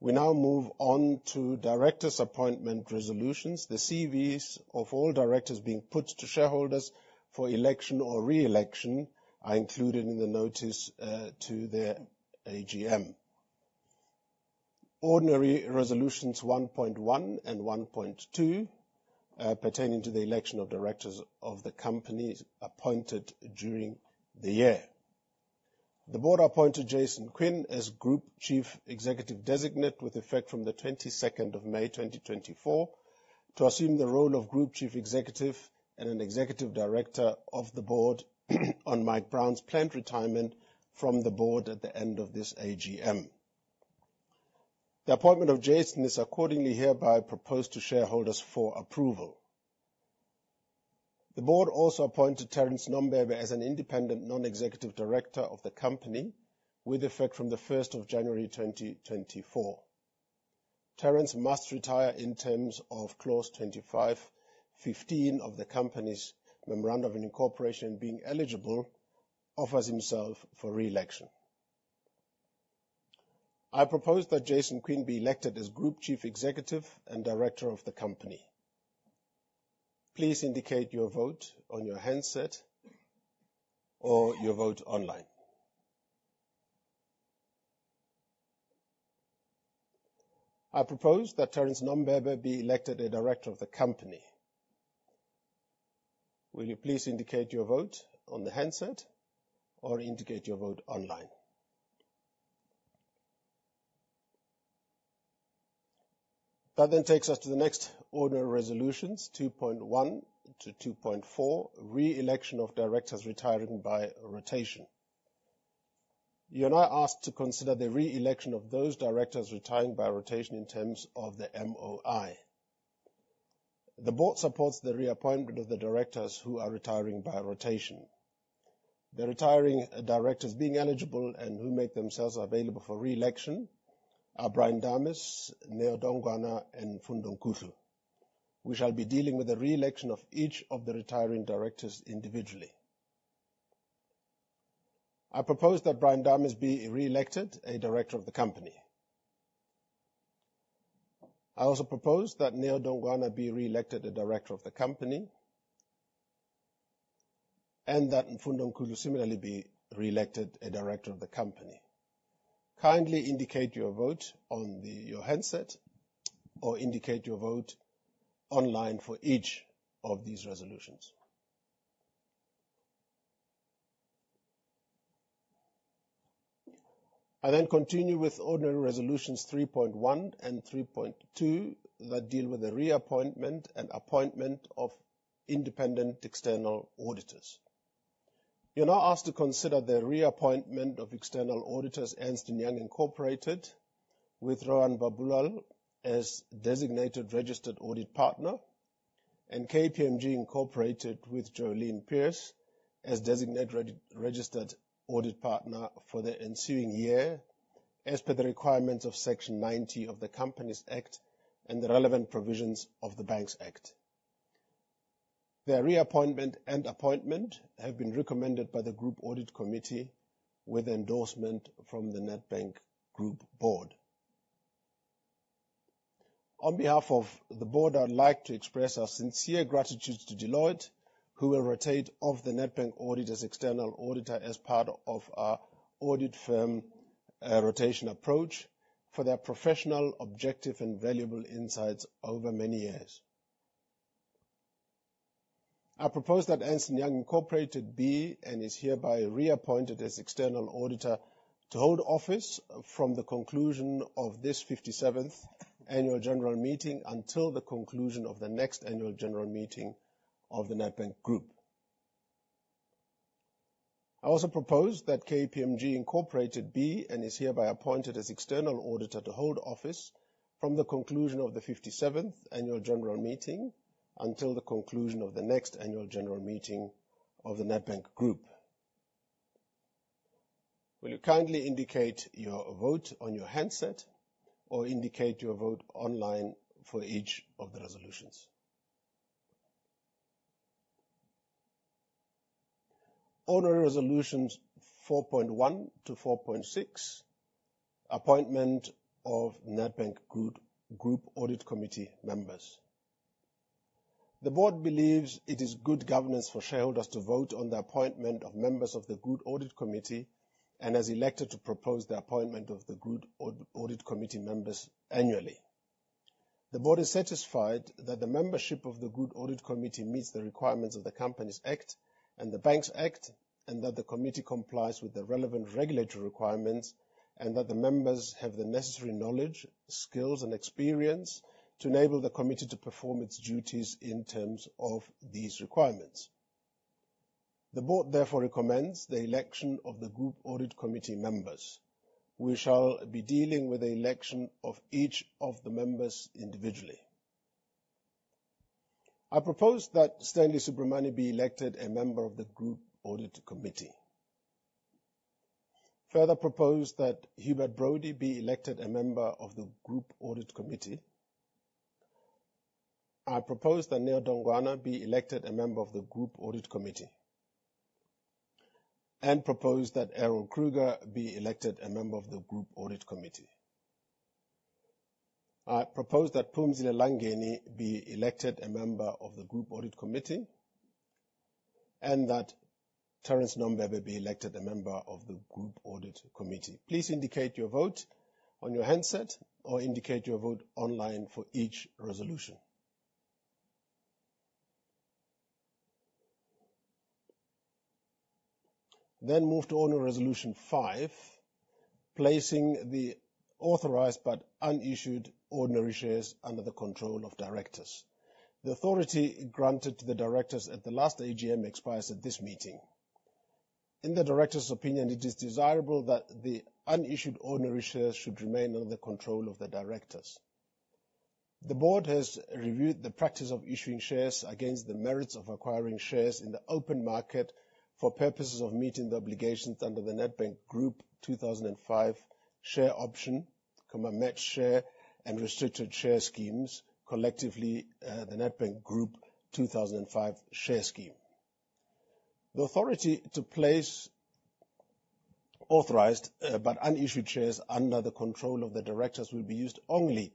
We now move on to Directors' Appointment resolutions. The CVs of all directors being put to shareholders for election or re-election are included in the notice to their AGM. Ordinary resolutions 1.1 and 1.2, pertaining to the election of directors of the companies appointed during the year. The Board appointed Jason Quinn as Group Chief Executive Designate with effect from the 22nd of May 2024 to assume the role of Group Chief Executive and an Executive Director of the Board on Mike Brown's planned retirement from the Board at the end of this AGM. The appointment of Jason is accordingly hereby proposed to shareholders for approval. The Board also appointed Terence Nombembe as an Independent Non-Executive Director of the company with effect from the 1st of January 2024. Terence must retire in terms of clause 25.15 of the company's memorandum of incorporation, being eligible, offers himself for re-election. I propose that Jason Quinn be elected as Group Chief Executive and Director of the company. Please indicate your vote on your handset or your vote online. I propose that Terence Nombembe be elected a Director of the company. Will you please indicate your vote on the handset or indicate your vote online. That then takes us to the next ordinary resolutions, 2.1 to 2.4, re-election of directors retiring by rotation. You are now asked to consider the re-election of those directors retiring by rotation in terms of the MOI. The Board supports the reappointment of the directors who are retiring by rotation. The retiring directors being eligible and who make themselves available for re-election are Brian Dames, Neo Dongwana, and Mfundo Nkuhlu. We shall be dealing with the re-election of each of the retiring directors individually. I propose that Brian Dames be re-elected a Director of the company. I also propose that Neo Dongwana be re-elected a Director of the company, and that Mfundo Nkuhlu similarly be re-elected a Director of the company. Kindly indicate your vote on your handset or indicate your vote online for each of these resolutions. I then continue with ordinary resolutions 3.1 and 3.2 that deal with the reappointment and appointment of independent external auditors. You are now asked to consider the reappointment of external auditors, Ernst & Young Incorporated, with Rohan Babulall as Designated Registered Audit Partner, and KPMG Incorporated with Joelene Pierce as Designated Registered Audit Partner for the ensuing year as per the requirements of Section 90 of the Companies Act and the relevant provisions of the Banks Act. Their reappointment and appointment have been recommended by the Group Audit Committee with endorsement from the Nedbank Group Board. On behalf of the board, I would like to express our sincere gratitude to Deloitte, who will rotate off the Nedbank audit as external auditor as part of our audit firm rotation approach, for their professional, objective, and valuable insights over many years. I propose that Ernst & Young Incorporated be, and is hereby reappointed as external auditor to hold office from the conclusion of this 57th annual general meeting until the conclusion of the next annual general meeting of the Nedbank Group. I also propose that KPMG Incorporated be and is hereby appointed as external auditor to hold office from the conclusion of the 57th annual general meeting until the conclusion of the next annual general meeting of the Nedbank Group. Will you kindly indicate your vote on your handset or indicate your vote online for each of the resolutions. Ordinary resolutions 4.1 to 4.6, appointment of Nedbank Group Audit Committee members. The board believes it is good governance for shareholders to vote on the appointment of members of the Group Audit Committee and has elected to propose the appointment of the Group Audit Committee members annually. The board is satisfied that the membership of the Group Audit Committee meets the requirements of the Companies Act and the Banks Act, and that the committee complies with the relevant regulatory requirements, and that the members have the necessary knowledge, skills, and experience to enable the committee to perform its duties in terms of these requirements. The board therefore recommends the election of the Group Audit Committee members. We shall be dealing with the election of each of the members individually. I propose that Stanley Subramoney be elected a member of the Group Audit Committee. I further propose that Hubert Brody be elected a member of the Group Audit Committee. I propose that Neo Dongwana be elected a member of the Group Audit Committee. I propose that Errol Kruger be elected a member of the Group Audit Committee. I propose that Phumzile Langeni be elected a member of the Group Audit Committee. I propose that Terence Nombembe be elected a member of the Group Audit Committee. Please indicate your vote on your handset or indicate your vote online for each resolution. I then move to ordinary resolution 5, placing the authorized but unissued ordinary shares under the control of directors. The authority granted to the directors at the last AGM expires at this meeting. In the directors' opinion, it is desirable that the unissued ordinary shares should remain under the control of the directors. The board has reviewed the practice of issuing shares against the merits of acquiring shares in the open market for purposes of meeting the obligations under the Nedbank Group 2005 share option, matched share and restricted share schemes. Collectively, the Nedbank Group 2005 Share Scheme. The authority to place authorized but unissued shares under the control of the directors will be used only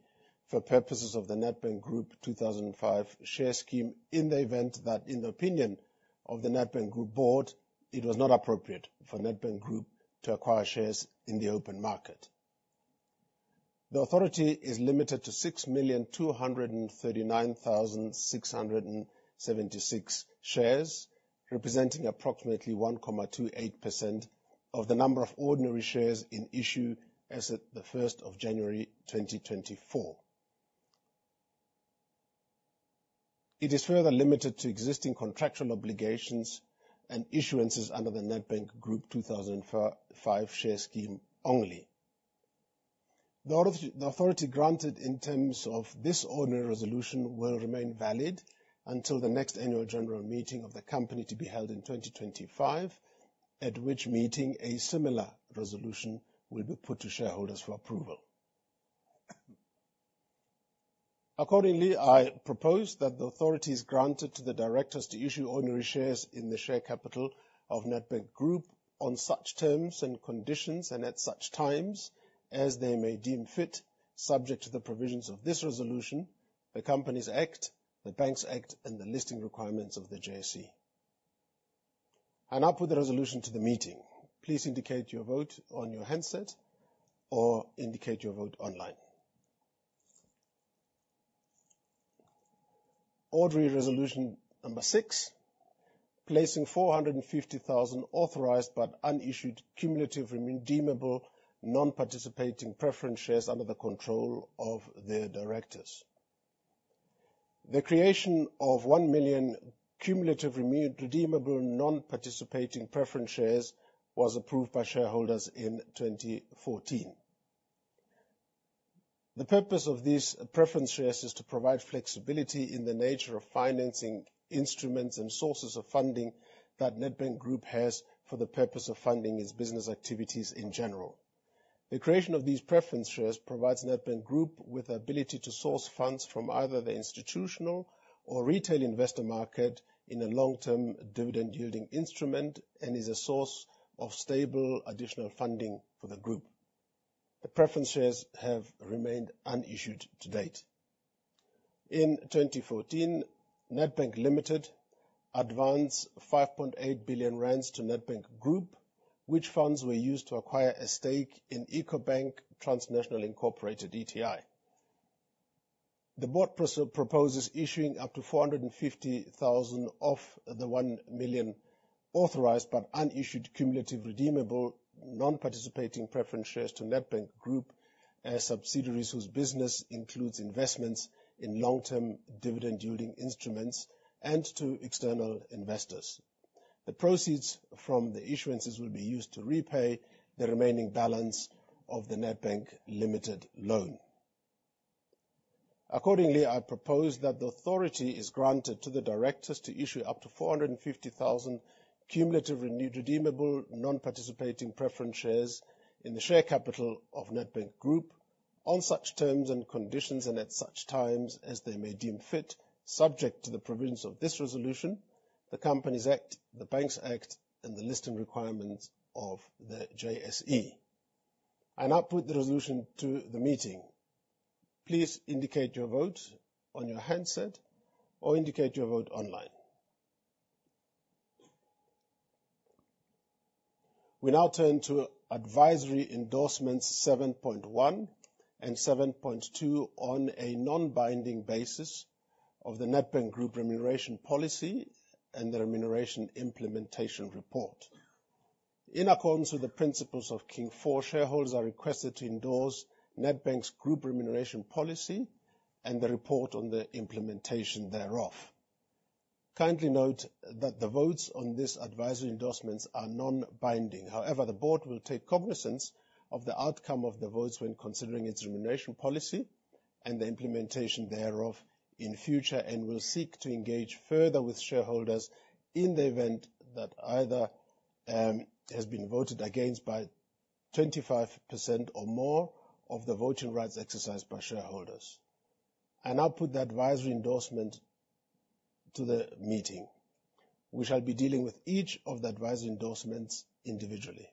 for purposes of the Nedbank Group 2005 Share Scheme in the event that, in the opinion of the Nedbank Group board, it was not appropriate for Nedbank Group to acquire shares in the open market. The authority is limited to 6,239,676 shares, representing approximately 1.28% of the number of ordinary shares in issue as at the 1st of January 2024. It is further limited to existing contractual obligations and issuances under the Nedbank Group 2005 Share Scheme only. The authority granted in terms of this ordinary resolution will remain valid until the next annual general meeting of the company to be held in 2025, at which meeting a similar resolution will be put to shareholders for approval. Accordingly, I propose that the authority is granted to the directors to issue ordinary shares in the share capital of Nedbank Group on such terms and conditions and at such times as they may deem fit, subject to the provisions of this resolution, the Companies Act, the Banks Act, and the listing requirements of the JSE. I'll put the resolution to the meeting. Please indicate your vote on your handset or indicate your vote online. Ordinary resolution number six, placing 450,000 authorized but unissued cumulative redeemable non-participating preference shares under the control of the directors. The creation of 1 million cumulative redeemable non-participating preference shares was approved by shareholders in 2014. The purpose of these preference shares is to provide flexibility in the nature of financing instruments and sources of funding that Nedbank Group has for the purpose of funding its business activities in general. The creation of these preference shares provides Nedbank Group with the ability to source funds from either the institutional or retail investor market in a long-term dividend-yielding instrument and is a source of stable additional funding for the group. The preference shares have remained unissued to date. In 2014, Nedbank Limited advanced 5.8 billion rand to Nedbank Group, which funds were used to acquire a stake in Ecobank Transnational Incorporated, ETI. The board proposes issuing up to 450,000 of the 1 million authorized but unissued cumulative redeemable non-participating preference shares to Nedbank Group subsidiaries whose business includes investments in long-term dividend-yielding instruments and to external investors. The proceeds from the issuances will be used to repay the remaining balance of the Nedbank Limited loan. Accordingly, I propose that the authority is granted to the directors to issue up to 450,000 cumulative redeemable non-participating preference shares in the share capital of Nedbank Group on such terms and conditions and at such times as they may deem fit, subject to the provisions of this resolution, the Companies Act, the Banks Act, and the listing requirements of the JSE. I now put the resolution to the meeting. Please indicate your vote on your handset or indicate your vote online. We now turn to advisory endorsements 7.1 and 7.2 on a non-binding basis of the Nedbank Group remuneration policy and the remuneration implementation report. In accordance with the principles of King IV, shareholders are requested to endorse Nedbank Group's remuneration policy and the report on the implementation thereof. Kindly note that the votes on these advisory endorsements are non-binding. However, the board will take cognizance of the outcome of the votes when considering its remuneration policy and the implementation thereof in future, and will seek to engage further with shareholders in the event that either has been voted against by 25% or more of the voting rights exercised by shareholders. I now put the advisory endorsement to the meeting. We shall be dealing with each of the advisory endorsements individually.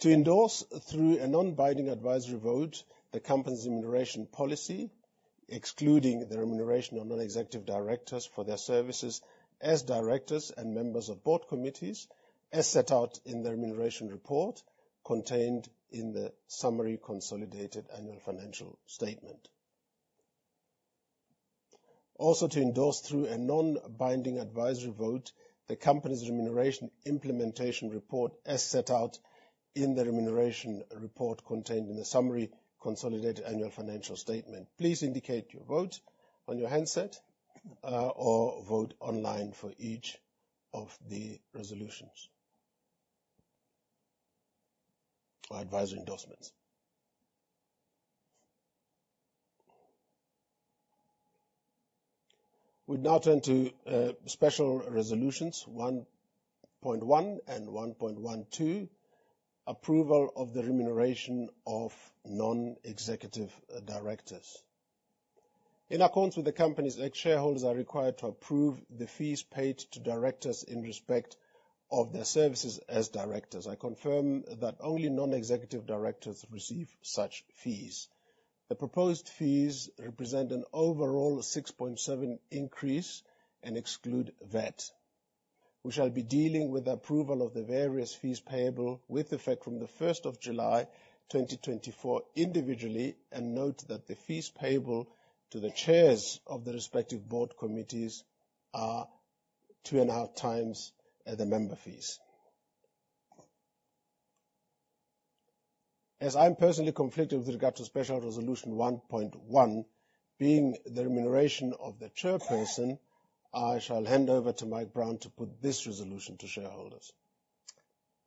To endorse through a non-binding advisory vote the company's remuneration policy, excluding the remuneration of non-executive directors for their services as directors and members of board committees, as set out in the remuneration report contained in the summary consolidated annual financial statement. To endorse through a non-binding advisory vote the company's remuneration implementation report, as set out in the remuneration report contained in the summary consolidated annual financial statement. Please indicate your vote on your handset or vote online for each of the resolutions or advisory endorsements. We now turn to Special Resolutions 1.1 and 1.12, approval of the remuneration of non-executive directors. In accordance with the Companies Act, shareholders are required to approve the fees paid to directors in respect of their services as directors. I confirm that only non-executive directors receive such fees. The proposed fees represent an overall 6.7% increase and exclude VAT. We shall be dealing with the approval of the various fees payable with effect from the 1st of July 2024 individually, and note that the fees payable to the chairs of the respective board committees are two and a half times the member fees. As I am personally conflicted with regard to Special Resolution 1.1, being the remuneration of the Chairperson, I shall hand over to Mike Brown to put this resolution to shareholders.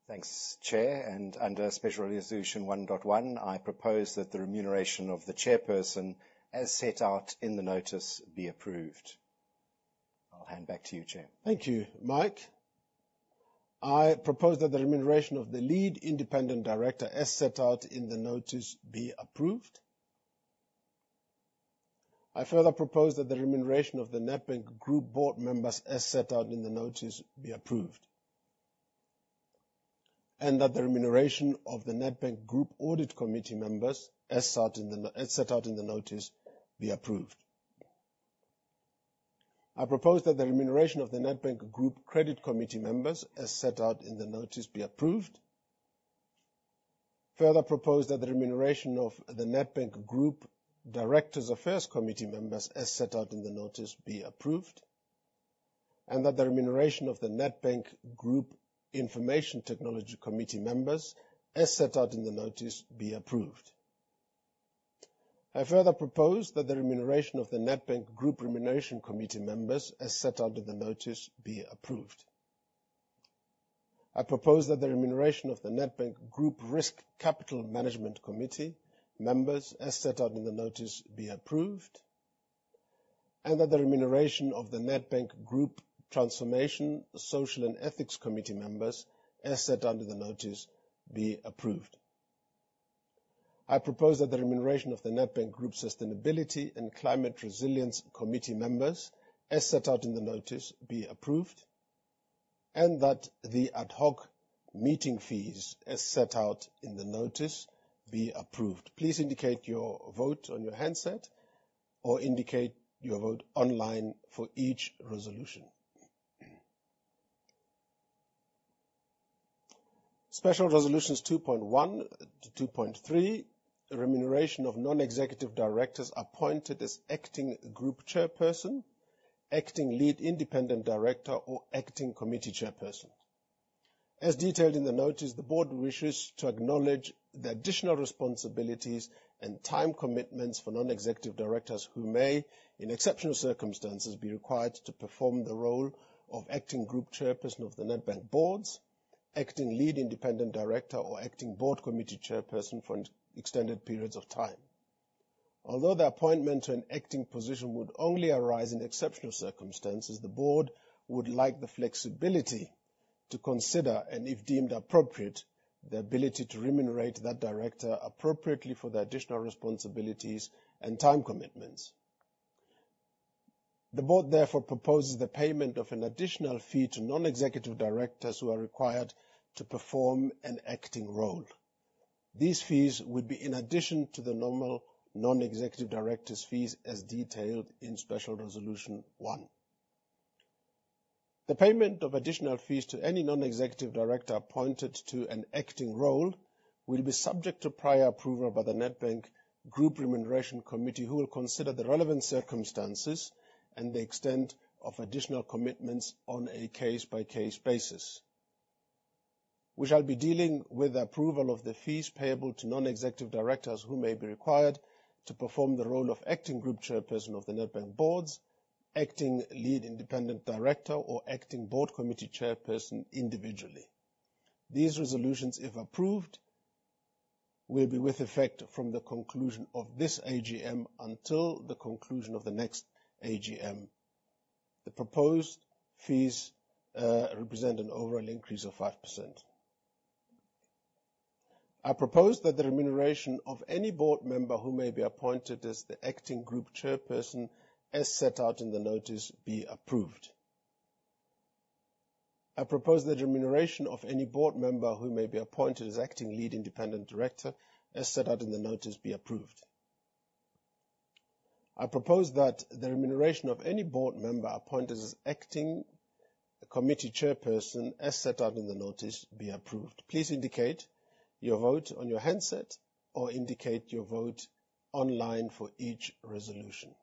Thanks, Chair. Under Special Resolution 1.1, I propose that the remuneration of the Chairperson as set out in the notice be approved. I will hand back to you, Chair.
Thank you, Mike. I propose that the remuneration of the Lead Independent Director, as set out in the notice, be approved. I further propose that the remuneration of the Nedbank Group Board members, as set out in the notice, be approved. That the remuneration of the Nedbank Group Audit Committee members, as set out in the notice, be approved. I propose that the remuneration of the Nedbank Group Credit Committee members, as set out in the notice, be approved. I further propose that the remuneration of the Nedbank Group Directors' Affairs Committee members, as set out in the notice, be approved. That the remuneration of the Nedbank Group Information Technology Committee members, as set out in the notice, be approved. I further propose that the remuneration of the Nedbank Group Remuneration Committee members, as set out in the notice, be approved. I propose that the remuneration of the Nedbank Group Risk Capital Management Committee members, as set out in the notice, be approved. That the remuneration of the Nedbank Group Transformation, Social, and Ethics Committee members, as set out in the notice, be approved. I propose that the remuneration of the Nedbank Group Sustainability and Climate Resilience Committee members, as set out in the notice, be approved. That the ad hoc meeting fees, as set out in the notice, be approved. Please indicate your vote on your handset or indicate your vote online for each resolution Special Resolutions 2.1 to 2.3, remuneration of non-executive directors appointed as acting group chairperson, acting lead independent director, or acting committee chairperson. As detailed in the notice, the board wishes to acknowledge the additional responsibilities and time commitments for non-executive directors who may, in exceptional circumstances, be required to perform the role of acting group chairperson of the Nedbank boards, acting lead independent director, or acting board committee chairperson for extended periods of time. Although the appointment to an acting position would only arise in exceptional circumstances, the board would like the flexibility to consider, and if deemed appropriate, the ability to remunerate that director appropriately for the additional responsibilities and time commitments. The board therefore proposes the payment of an additional fee to non-executive directors who are required to perform an acting role. These fees would be in addition to the normal non-executive directors' fees as detailed in Special Resolution 1. The payment of additional fees to any non-executive director appointed to an acting role will be subject to prior approval by the Nedbank Group Remuneration Committee, who will consider the relevant circumstances and the extent of additional commitments on a case-by-case basis. We shall be dealing with the approval of the fees payable to non-executive directors who may be required to perform the role of acting group chairperson of the Nedbank boards, acting lead independent director, or acting board committee chairperson individually. These resolutions, if approved, will be with effect from the conclusion of this AGM until the conclusion of the next AGM. The proposed fees represent an overall increase of 5%. I propose that the remuneration of any board member who may be appointed as the acting group chairperson, as set out in the notice, be approved. I propose that remuneration of any board member who may be appointed as acting lead independent director, as set out in the notice, be approved. I propose that the remuneration of any board member appointed as acting committee chairperson, as set out in the notice, be approved. Please indicate your vote on your handset or indicate your vote online for each resolution.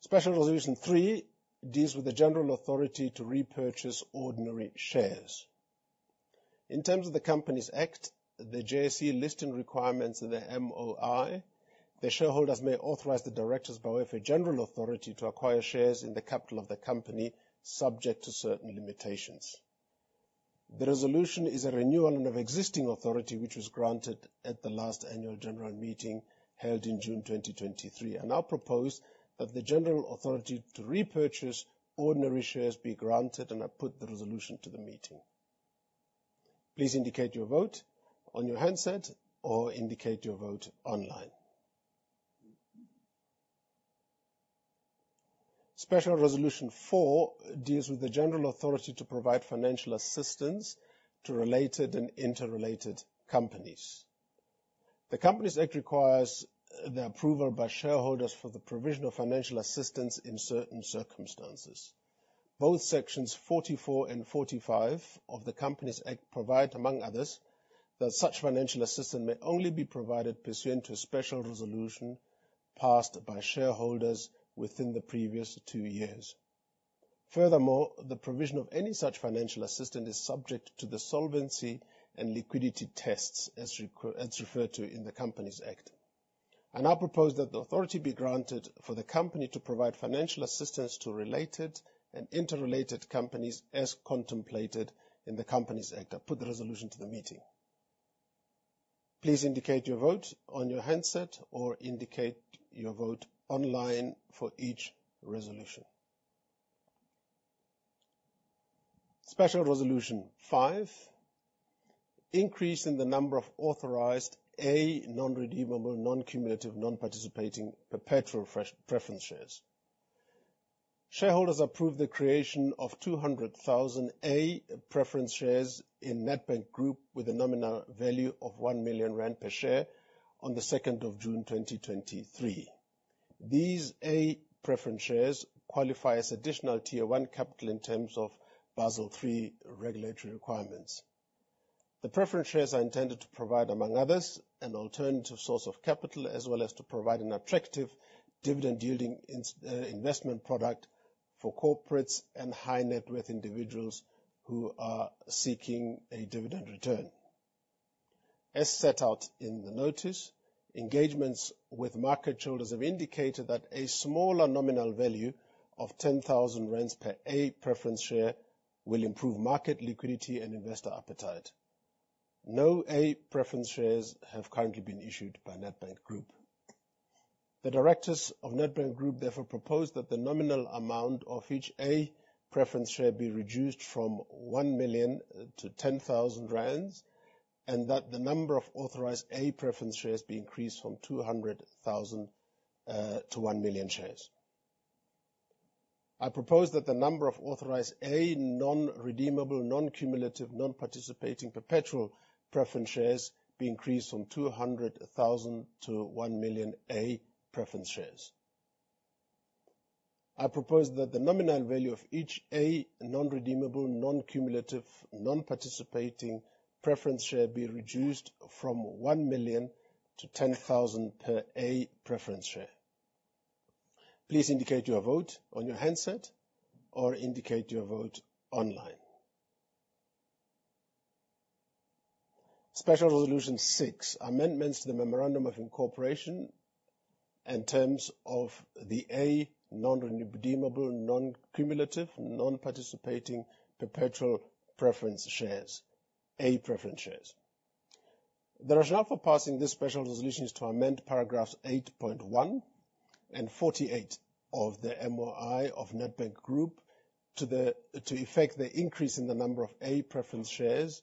Special Resolution 3 deals with the general authority to repurchase ordinary shares. In terms of the Companies Act, the JSE listing requirements of the MOI, the shareholders may authorize the directors thereby for general authority to acquire shares in the capital of the company, subject to certain limitations. The resolution is a renewal of existing authority, which was granted at the last annual general meeting held in June 2023. I propose that the general authority to repurchase ordinary shares be granted, and I put the resolution to the meeting. Please indicate your vote on your handset or indicate your vote online. Special resolution 4 deals with the general authority to provide financial assistance to related and interrelated companies. The Companies Act requires the approval by shareholders for the provision of financial assistance in certain circumstances. Both sections 44 and 45 of the Companies Act provide, among others, that such financial assistance may only be provided pursuant to a special resolution passed by shareholders within the previous 2 years. Furthermore, the provision of any such financial assistance is subject to the solvency and liquidity tests as referred to in the Companies Act. I propose that the authority be granted for the company to provide financial assistance to related and interrelated companies as contemplated in the Companies Act. I put the resolution to the meeting. Please indicate your vote on your handset or indicate your vote online for each resolution. Special resolution 5, increase in the number of authorized A non-redeemable, non-cumulative, non-participating perpetual preference shares. Shareholders approved the creation of 200,000 A preference shares in Nedbank Group with a nominal value of 1 million rand per share on the 2nd of June 2023. These A preference shares qualify as additional Tier 1 capital in terms of Basel III regulatory requirements. The preference shares are intended to provide, among others, an alternative source of capital, as well as to provide an attractive dividend-yielding investment product for corporates and high-net-worth individuals who are seeking a dividend return. As set out in the notice, engagements with market shareholders have indicated that a smaller nominal value of 10,000 rand per A preference share will improve market liquidity and investor appetite. No A preference shares have currently been issued by Nedbank Group. The directors of Nedbank Group therefore propose that the nominal amount of each A preference share be reduced from 1 million to 10,000 rand, and that the number of authorized A preference shares be increased from 200,000 to 1 million shares. I propose that the number of authorized A non-redeemable, non-cumulative, non-participating perpetual preference shares be increased from 200,000 to 1 million A preference shares. I propose that the nominal value of each A non-redeemable, non-cumulative, non-participating preference share be reduced from 1 million to 10,000 per A preference share. Please indicate your vote on your handset or indicate your vote online. Special Resolution 6, amendments to the Memorandum of Incorporation in terms of the A non-redeemable, non-cumulative, non-participating perpetual preference shares, A preference shares. The rationale for passing this special resolution is to amend paragraphs 8.1 and 48 of the MOI of Nedbank Group to effect the increase in the number of A preference shares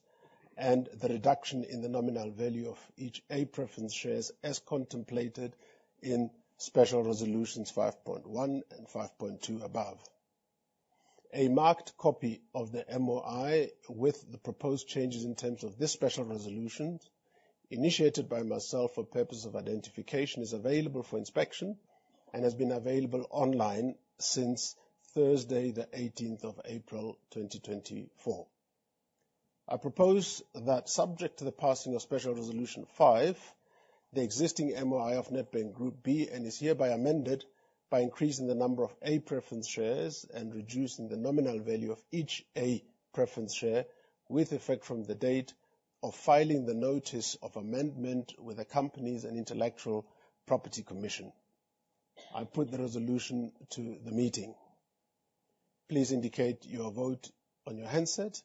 and the reduction in the nominal value of each A preference shares as contemplated in special resolutions 5.1 and 5.2 above. A marked copy of the MOI with the proposed changes in terms of this special resolution, initiated by myself for purpose of identification, is available for inspection and has been available online since Thursday, the 18th of April, 2024. I propose that subject to the passing of Special Resolution 5, the existing MOI of Nedbank Group is hereby amended by increasing the number of A preference shares and reducing the nominal value of each A preference share with effect from the date of filing the notice of amendment with the Companies and Intellectual Property Commission. I put the resolution to the meeting. Please indicate your vote on your handset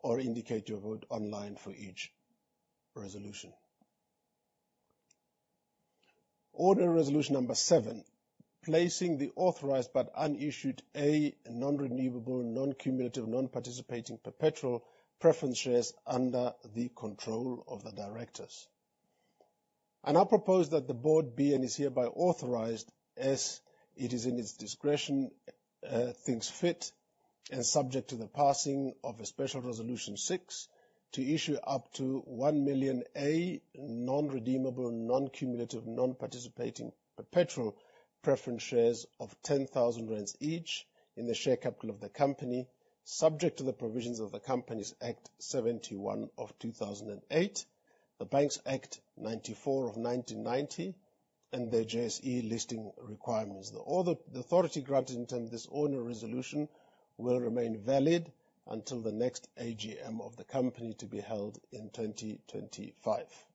or indicate your vote online for each resolution. Ordinary Resolution number 7, placing the authorized but unissued A non-redeemable, non-cumulative, non-participating perpetual preference shares under the control of the directors. I propose that the board be and is hereby authorized as it is in its discretion thinks fit and subject to the passing of a Special Resolution 6, to issue up to 1 million A non-redeemable, non-cumulative, non-participating perpetual preference shares of 10,000 rand each in the share capital of the company, subject to the provisions of the Companies Act 71 of 2008, the Banks Act 94 of 1990 and their JSE listing requirements. The authority granted in terms of this ordinary resolution will remain valid until the next AGM of the company to be held in 2025.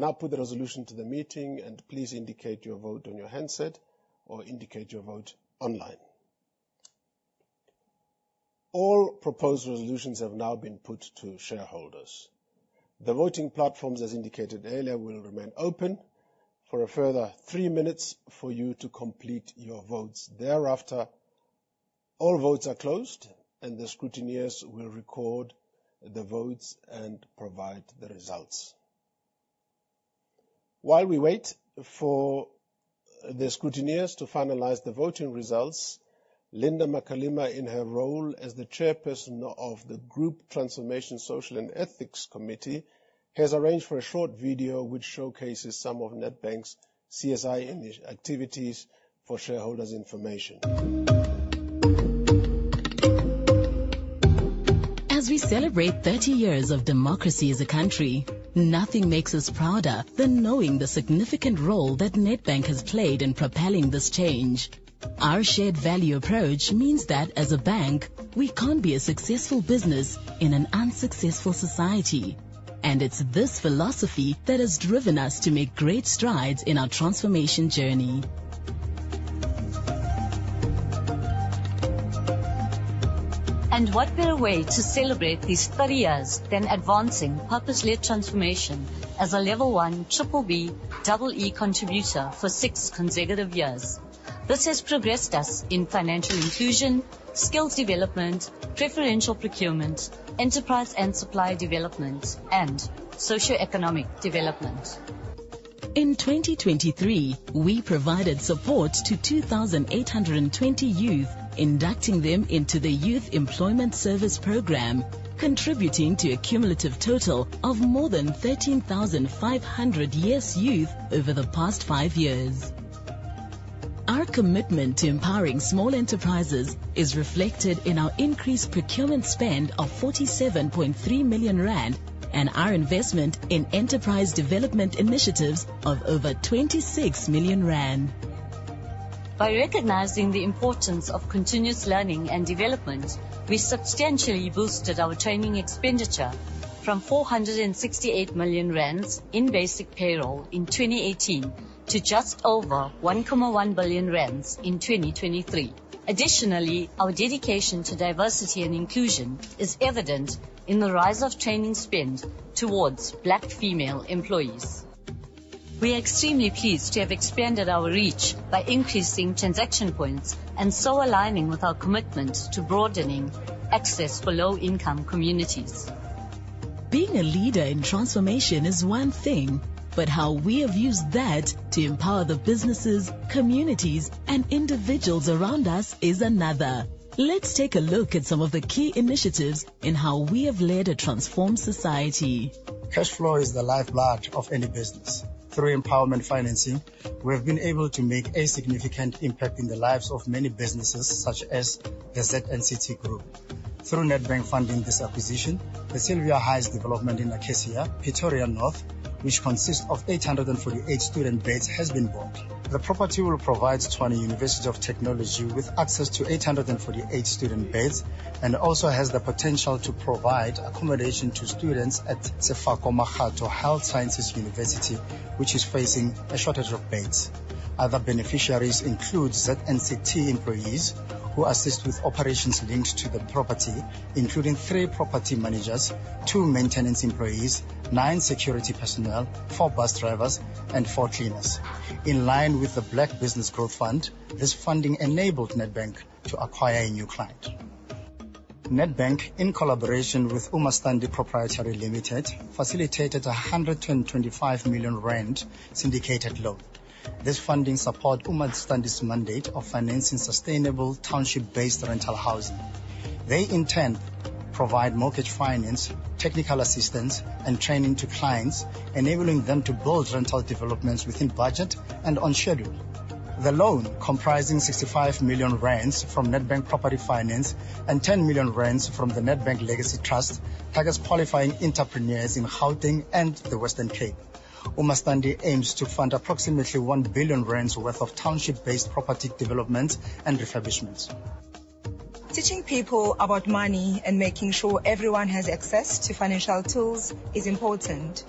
I'll put the resolution to the meeting and please indicate your vote on your handset or indicate your vote online. All proposed resolutions have now been put to shareholders. The voting platforms, as indicated earlier, will remain open for a further three minutes for you to complete your votes. Thereafter, all votes are closed and the scrutineers will record the votes and provide the results. While we wait for the scrutineers to finalize the voting results, Linda Makalima, in her role as the Chairperson of the Group Transformation, Social and Ethics Committee, has arranged for a short video which showcases some of Nedbank's CSI activities for shareholders' information.
As we celebrate 30 years of democracy as a country, nothing makes us prouder than knowing the significant role that Nedbank has played in propelling this change. Our shared value approach means that as a bank, we can't be a successful business in an unsuccessful society, it's this philosophy that has driven us to make great strides in our transformation journey. What better way to celebrate these 30 years than advancing purpose-led transformation as a level 1 B-BBEE contributor for six consecutive years. This has progressed us in financial inclusion, skills development, preferential procurement, enterprise and supply development, and socioeconomic development. In 2023, we provided support to 2,820 youth, inducting them into the Youth Employment Service program, contributing to a cumulative total of more than 13,500 YES Youth over the past five years. Our commitment to empowering small enterprises is reflected in our increased procurement spend of 47.3 million rand and our investment in enterprise development initiatives of over 26 million rand. By recognizing the importance of continuous learning and development, we substantially boosted our training expenditure from 468 million rand in basic payroll in 2018 to just over 1.1 billion rand in 2023. Additionally, our dedication to diversity and inclusion is evident in the rise of training spend towards Black female employees. We are extremely pleased to have expanded our reach by increasing transaction points and so aligning with our commitment to broadening access for low-income communities. Being a leader in transformation is one thing, but how we have used that to empower the businesses, communities, and individuals around us is another. Let's take a look at some of the key initiatives in how we have led a transformed society.
Cash flow is the lifeblood of any business. Through empowerment financing, we have been able to make a significant impact in the lives of many businesses such as the ZNCT Group.
Through Nedbank funding this acquisition, the Sylvia Heights development in Akasia, Pretoria North, which consists of 848 student beds, has been born. The property will provide Tshwane University of Technology with access to 848 student beds, and also has the potential to provide accommodation to students at Sefako Makgatho Health Sciences University, which is facing a shortage of beds. Other beneficiaries include ZNCT employees who assist with operations linked to the property, including three property managers, two maintenance employees, nine security personnel, four bus drivers, and four cleaners. In line with the Black Business Growth Fund, this funding enabled Nedbank to acquire a new client. Nedbank, in collaboration with uMaStandi Proprietary Limited, facilitated a 125 million rand syndicated loan. This funding support uMaStandi's mandate of financing sustainable township-based rental housing. They in turn provide mortgage finance, technical assistance, and training to clients, enabling them to build rental developments within budget and on schedule. The loan, comprising 65 million rand from Nedbank Property Finance and 10 million rand from the Nedbank Legacy Trust, targets qualifying entrepreneurs in Gauteng and the Western Cape. uMaStandi aims to fund approximately 1 billion rand worth of township-based property development and refurbishments. Teaching people about money and making sure everyone has access to financial tools is important,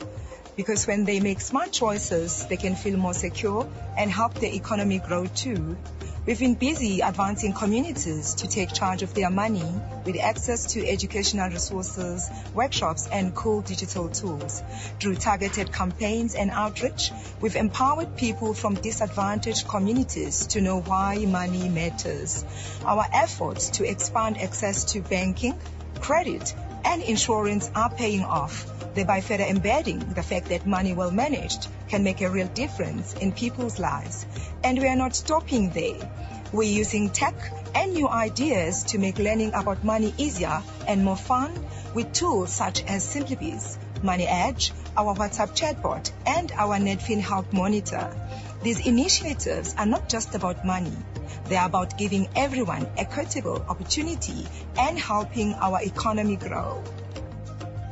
because when they make smart choices, they can feel more secure and help the economy grow too. We've been busy advancing communities to take charge of their money with access to educational resources, workshops, and cool digital tools. Through targeted campaigns and outreach, we've empowered people from disadvantaged communities to know why money matters. Our efforts to expand access to banking, credit, and insurance are paying off. Thereby further embedding the fact that money well managed can make a real difference in people's lives. We are not stopping there. We're using tech and new ideas to make learning about money easier and more fun with tools such as SimplyBiz, MoneyEDGE, our WhatsApp chatbot, and our NedFinHealth Monitor. These initiatives are not just about money. They're about giving everyone equitable opportunity and helping our economy grow.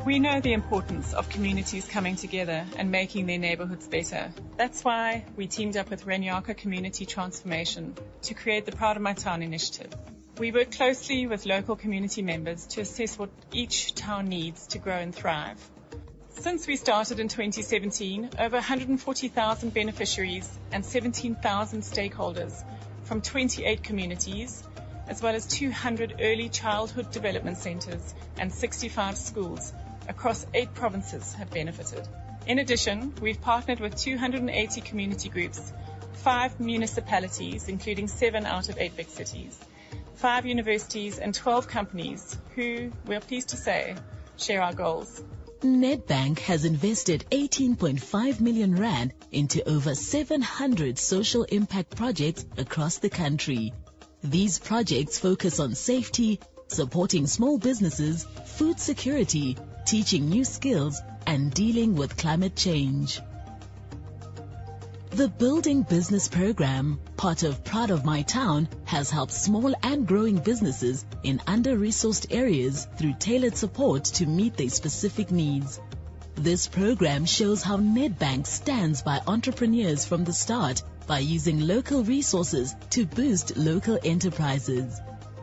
We know the importance of communities coming together and making their neighborhoods better. That's why we teamed up with Ranyaka Community Transformation to create the Proud of My Town initiative. We work closely with local community members to assess what each town needs to grow and thrive. Since we started in 2017, over 140,000 beneficiaries and 17,000 stakeholders from 28 communities, as well as 200 early childhood development centers and 65 schools across eight provinces have benefited. In addition, we've partnered with 280 community groups, five municipalities, including seven out of eight big cities, five universities and 12 companies who we are pleased to say share our goals. Nedbank has invested 18.5 million rand into over 700 social impact projects across the country. These projects focus on safety, supporting small businesses, food security, teaching new skills, and dealing with climate change. The Building Business program, part of Proud of My Town, has helped small and growing businesses in under-resourced areas through tailored support to meet their specific needs. This program shows how Nedbank stands by entrepreneurs from the start by using local resources to boost local enterprises.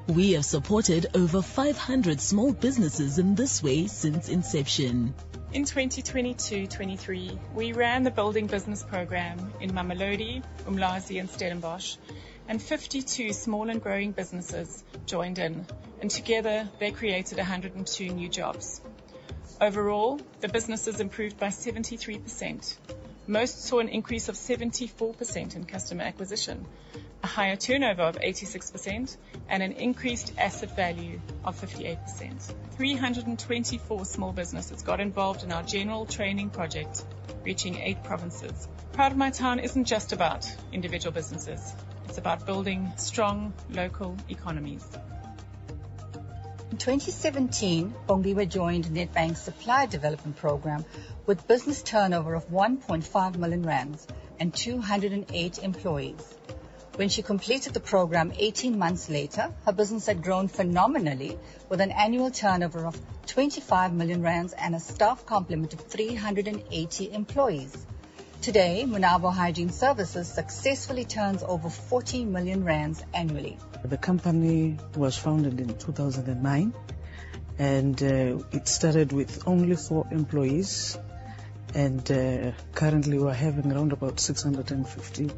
We have supported over 500 small businesses in this way since inception. In 2022/2023, we ran the Building Business program in Mamelodi, Umlazi, and Stellenbosch, and 52 small and growing businesses joined in, and together they created 102 new jobs. Overall, the businesses improved by 73%. Most saw an increase of 74% in customer acquisition, a higher turnover of 86%, and an increased asset value of 58%. 324 small businesses got involved in our general training project, reaching eight provinces. Proud of My Town isn't just about individual businesses. It's about building strong local economies. In 2017, Bonganiwe joined Nedbank's Supplier Development Program with business turnover of 1.5 million rand and 208 employees. When she completed the program 18 months later, her business had grown phenomenally with an annual turnover of 25 million rand and a staff complement of 380 employees. Today, Monabo Hygiene Services successfully turns over 40 million rand annually. The company was founded in 2009, it started with only four employees. Currently we are having around about 650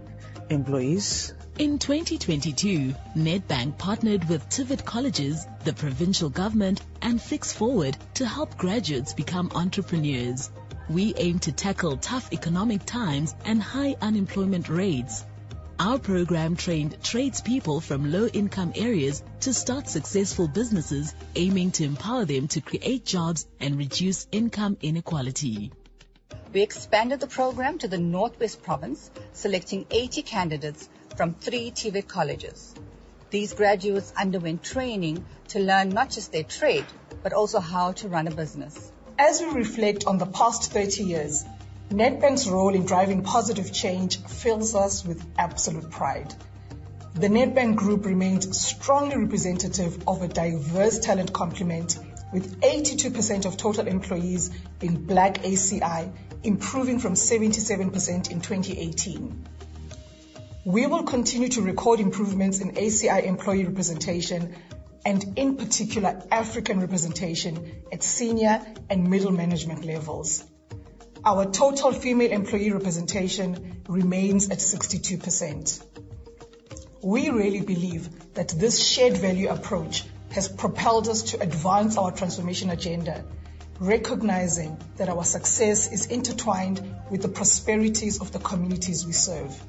employees. In 2022, Nedbank partnered with TVET Colleges, the provincial government, and Fix Forward to help graduates become entrepreneurs. We aim to tackle tough economic times and high unemployment rates. Our program trained tradespeople from low-income areas to start successful businesses, aiming to empower them to create jobs and reduce income inequality. We expanded the program to the North West Province, selecting 80 candidates from three TVET Colleges. These graduates underwent training to learn not just their trade, but also how to run a business. As we reflect on the past 30 years Nedbank's role in driving positive change fills us with absolute pride. The Nedbank Group remains strongly representative of a diverse talent complement with 82% of total employees being black ACI, improving from 77% in 2018. We will continue to record improvements in ACI employee representation, and in particular, African representation at senior and middle management levels. Our total female employee representation remains at 62%. We really believe that this shared value approach has propelled us to advance our transformation agenda, recognizing that our success is intertwined with the prosperities of the communities we serve.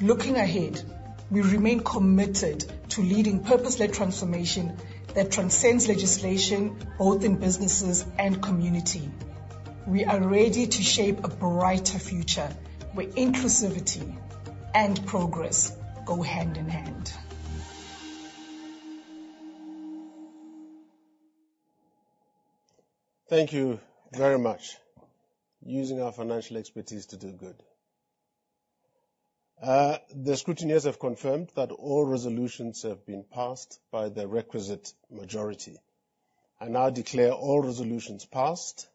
Looking ahead, we remain committed to leading purpose-led transformation that transcends legislation, both in businesses and community. We are ready to shape a brighter future where inclusivity and progress go hand in hand.
Thank you very much. Using our financial expertise to do good. The scrutineers have confirmed that all resolutions have been passed by the requisite majority. I now declare all resolutions passed.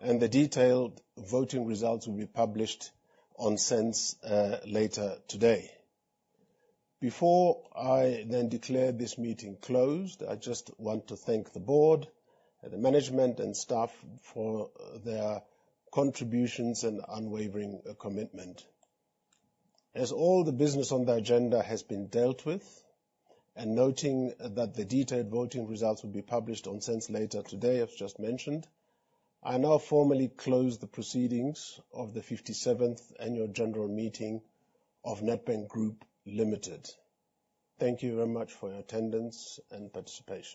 The detailed voting results will be published on SENS later today. Before I declare this meeting closed, I just want to thank the board and the management and staff for their contributions and unwavering commitment. As all the business on the agenda has been dealt with, noting that the detailed voting results will be published on SENS later today, as just mentioned, I now formally close the proceedings of the 57th Annual General Meeting of Nedbank Group Limited. Thank you very much for your attendance and participation.